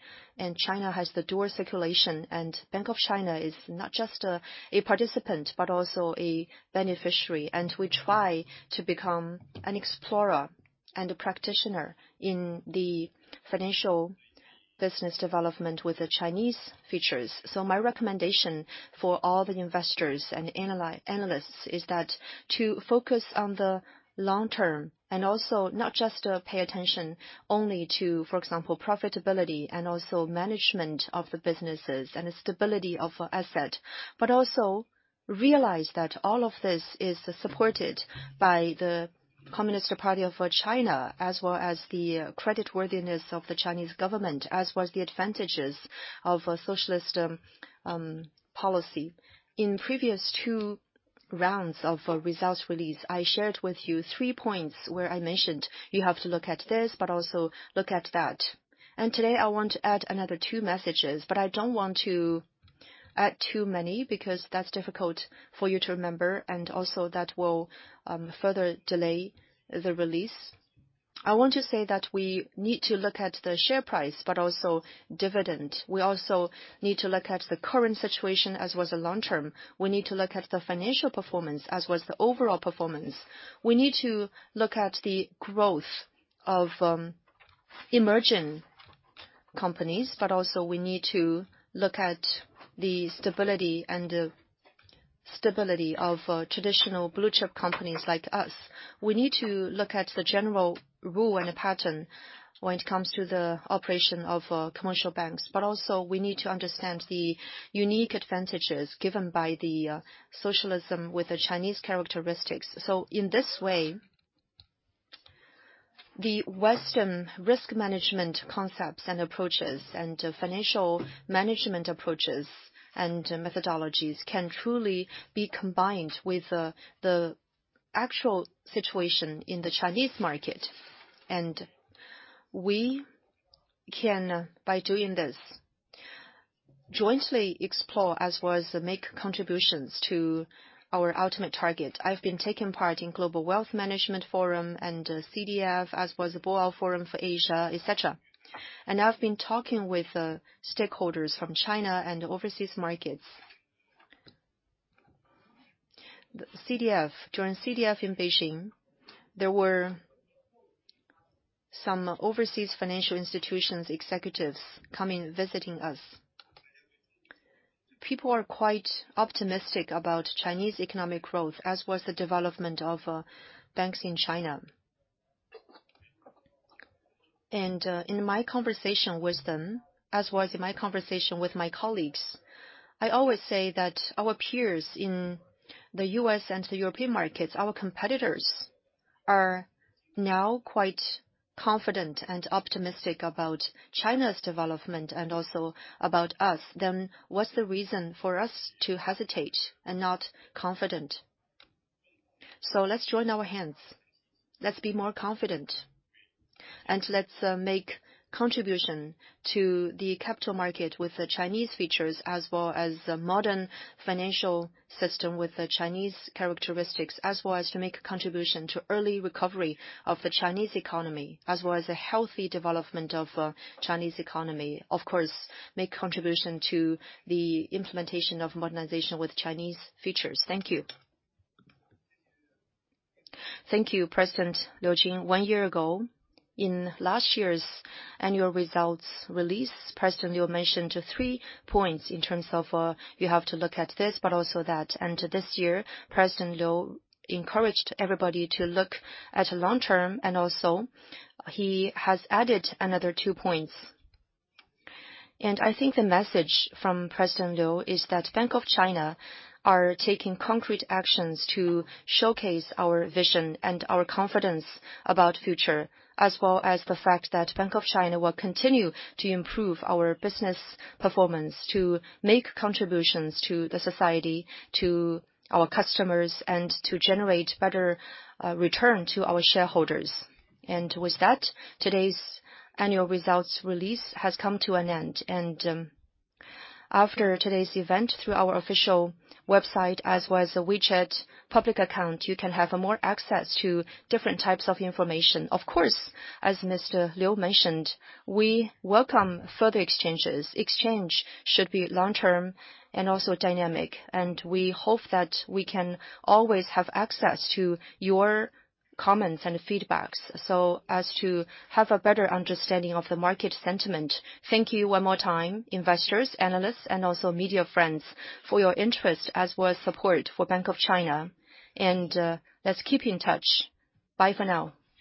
China has the dual circulation. Bank of China is not just a participant, but also a beneficiary. We try to become an explorer. A practitioner in the financial business development with the Chinese features. My recommendation for all the investors and analysts is that to focus on the long term, and also not just pay attention only to, for example, profitability and also management of the businesses, and the stability of asset, but also realize that all of this is supported by the Communist Party of China, as well as the creditworthiness of the Chinese government, as well as the advantages of a socialist policy. In previous two rounds of results release, I shared with you three points where I mentioned you have to look at this, but also look at that. Today I want to add another two messages, but I don't want to add too many because that's difficult for you to remember, and also that will further delay the release. I want to say that we need to look at the share price, but also dividend. We also need to look at the current situation as well as the long term. We need to look at the financial performance as well as the overall performance. We need to look at the growth of emerging companies, but also we need to look at the stability of traditional blue-chip companies like us. We need to look at the general rule and the pattern when it comes to the operation of commercial banks. We need to understand the unique advantages given by the socialism with the Chinese characteristics. In this way, the Western risk management concepts and approaches and financial management approaches and methodologies can truly be combined with the actual situation in the Chinese market. We can, by doing this, jointly explore as well as make contributions to our ultimate target. I've been taking part in Global Wealth Management Forum and CDF, as well as the Boao Forum for Asia, et cetera. I've been talking with stakeholders from China and overseas markets. CDF. During CDF in Beijing, there were some overseas financial institutions executives coming visiting us. People are quite optimistic about Chinese economic growth, as well as the development of banks in China. In my conversation with them, as well as in my conversation with my colleagues, I always say that our peers in the U.S. and the European markets, our competitors are now quite confident and optimistic about China's development and also about us. What's the reason for us to hesitate and not confident? Let's join our hands. Let's be more confident, and let's make contribution to the capital market with the Chinese features, as well as the modern financial system with the Chinese characteristics, as well as to make a contribution to early recovery of the Chinese economy, as well as the healthy development of Chinese economy. Of course, make contribution to the implementation of modernization with Chinese features. Thank you. Thank you, President Liu Jin. one year ago, in last year's annual results release, President Liu mentioned three points in terms of, you have to look at this, but also that. This year, President Liu encouraged everybody to look at long term, and also he has added another two points. I think the message from President Liu is that Bank of China are taking concrete actions to showcase our vision and our confidence about future, as well as the fact that Bank of China will continue to improve our business performance, to make contributions to the society, to our customers, and to generate better return to our shareholders. With that, today's annual results release has come to an end. After today's event, through our official website as well as a WeChat public account, you can have more access to different types of information. Of course, as President Liu mentioned, we welcome further exchanges. Exchange should be long-term and also dynamic. We hope that we can always have access to your comments and feedbacks so as to have a better understanding of the market sentiment. Thank you one more time, investors, analysts, and also media friends for your interest as well as support for Bank of China. Let's keep in touch. Bye for now.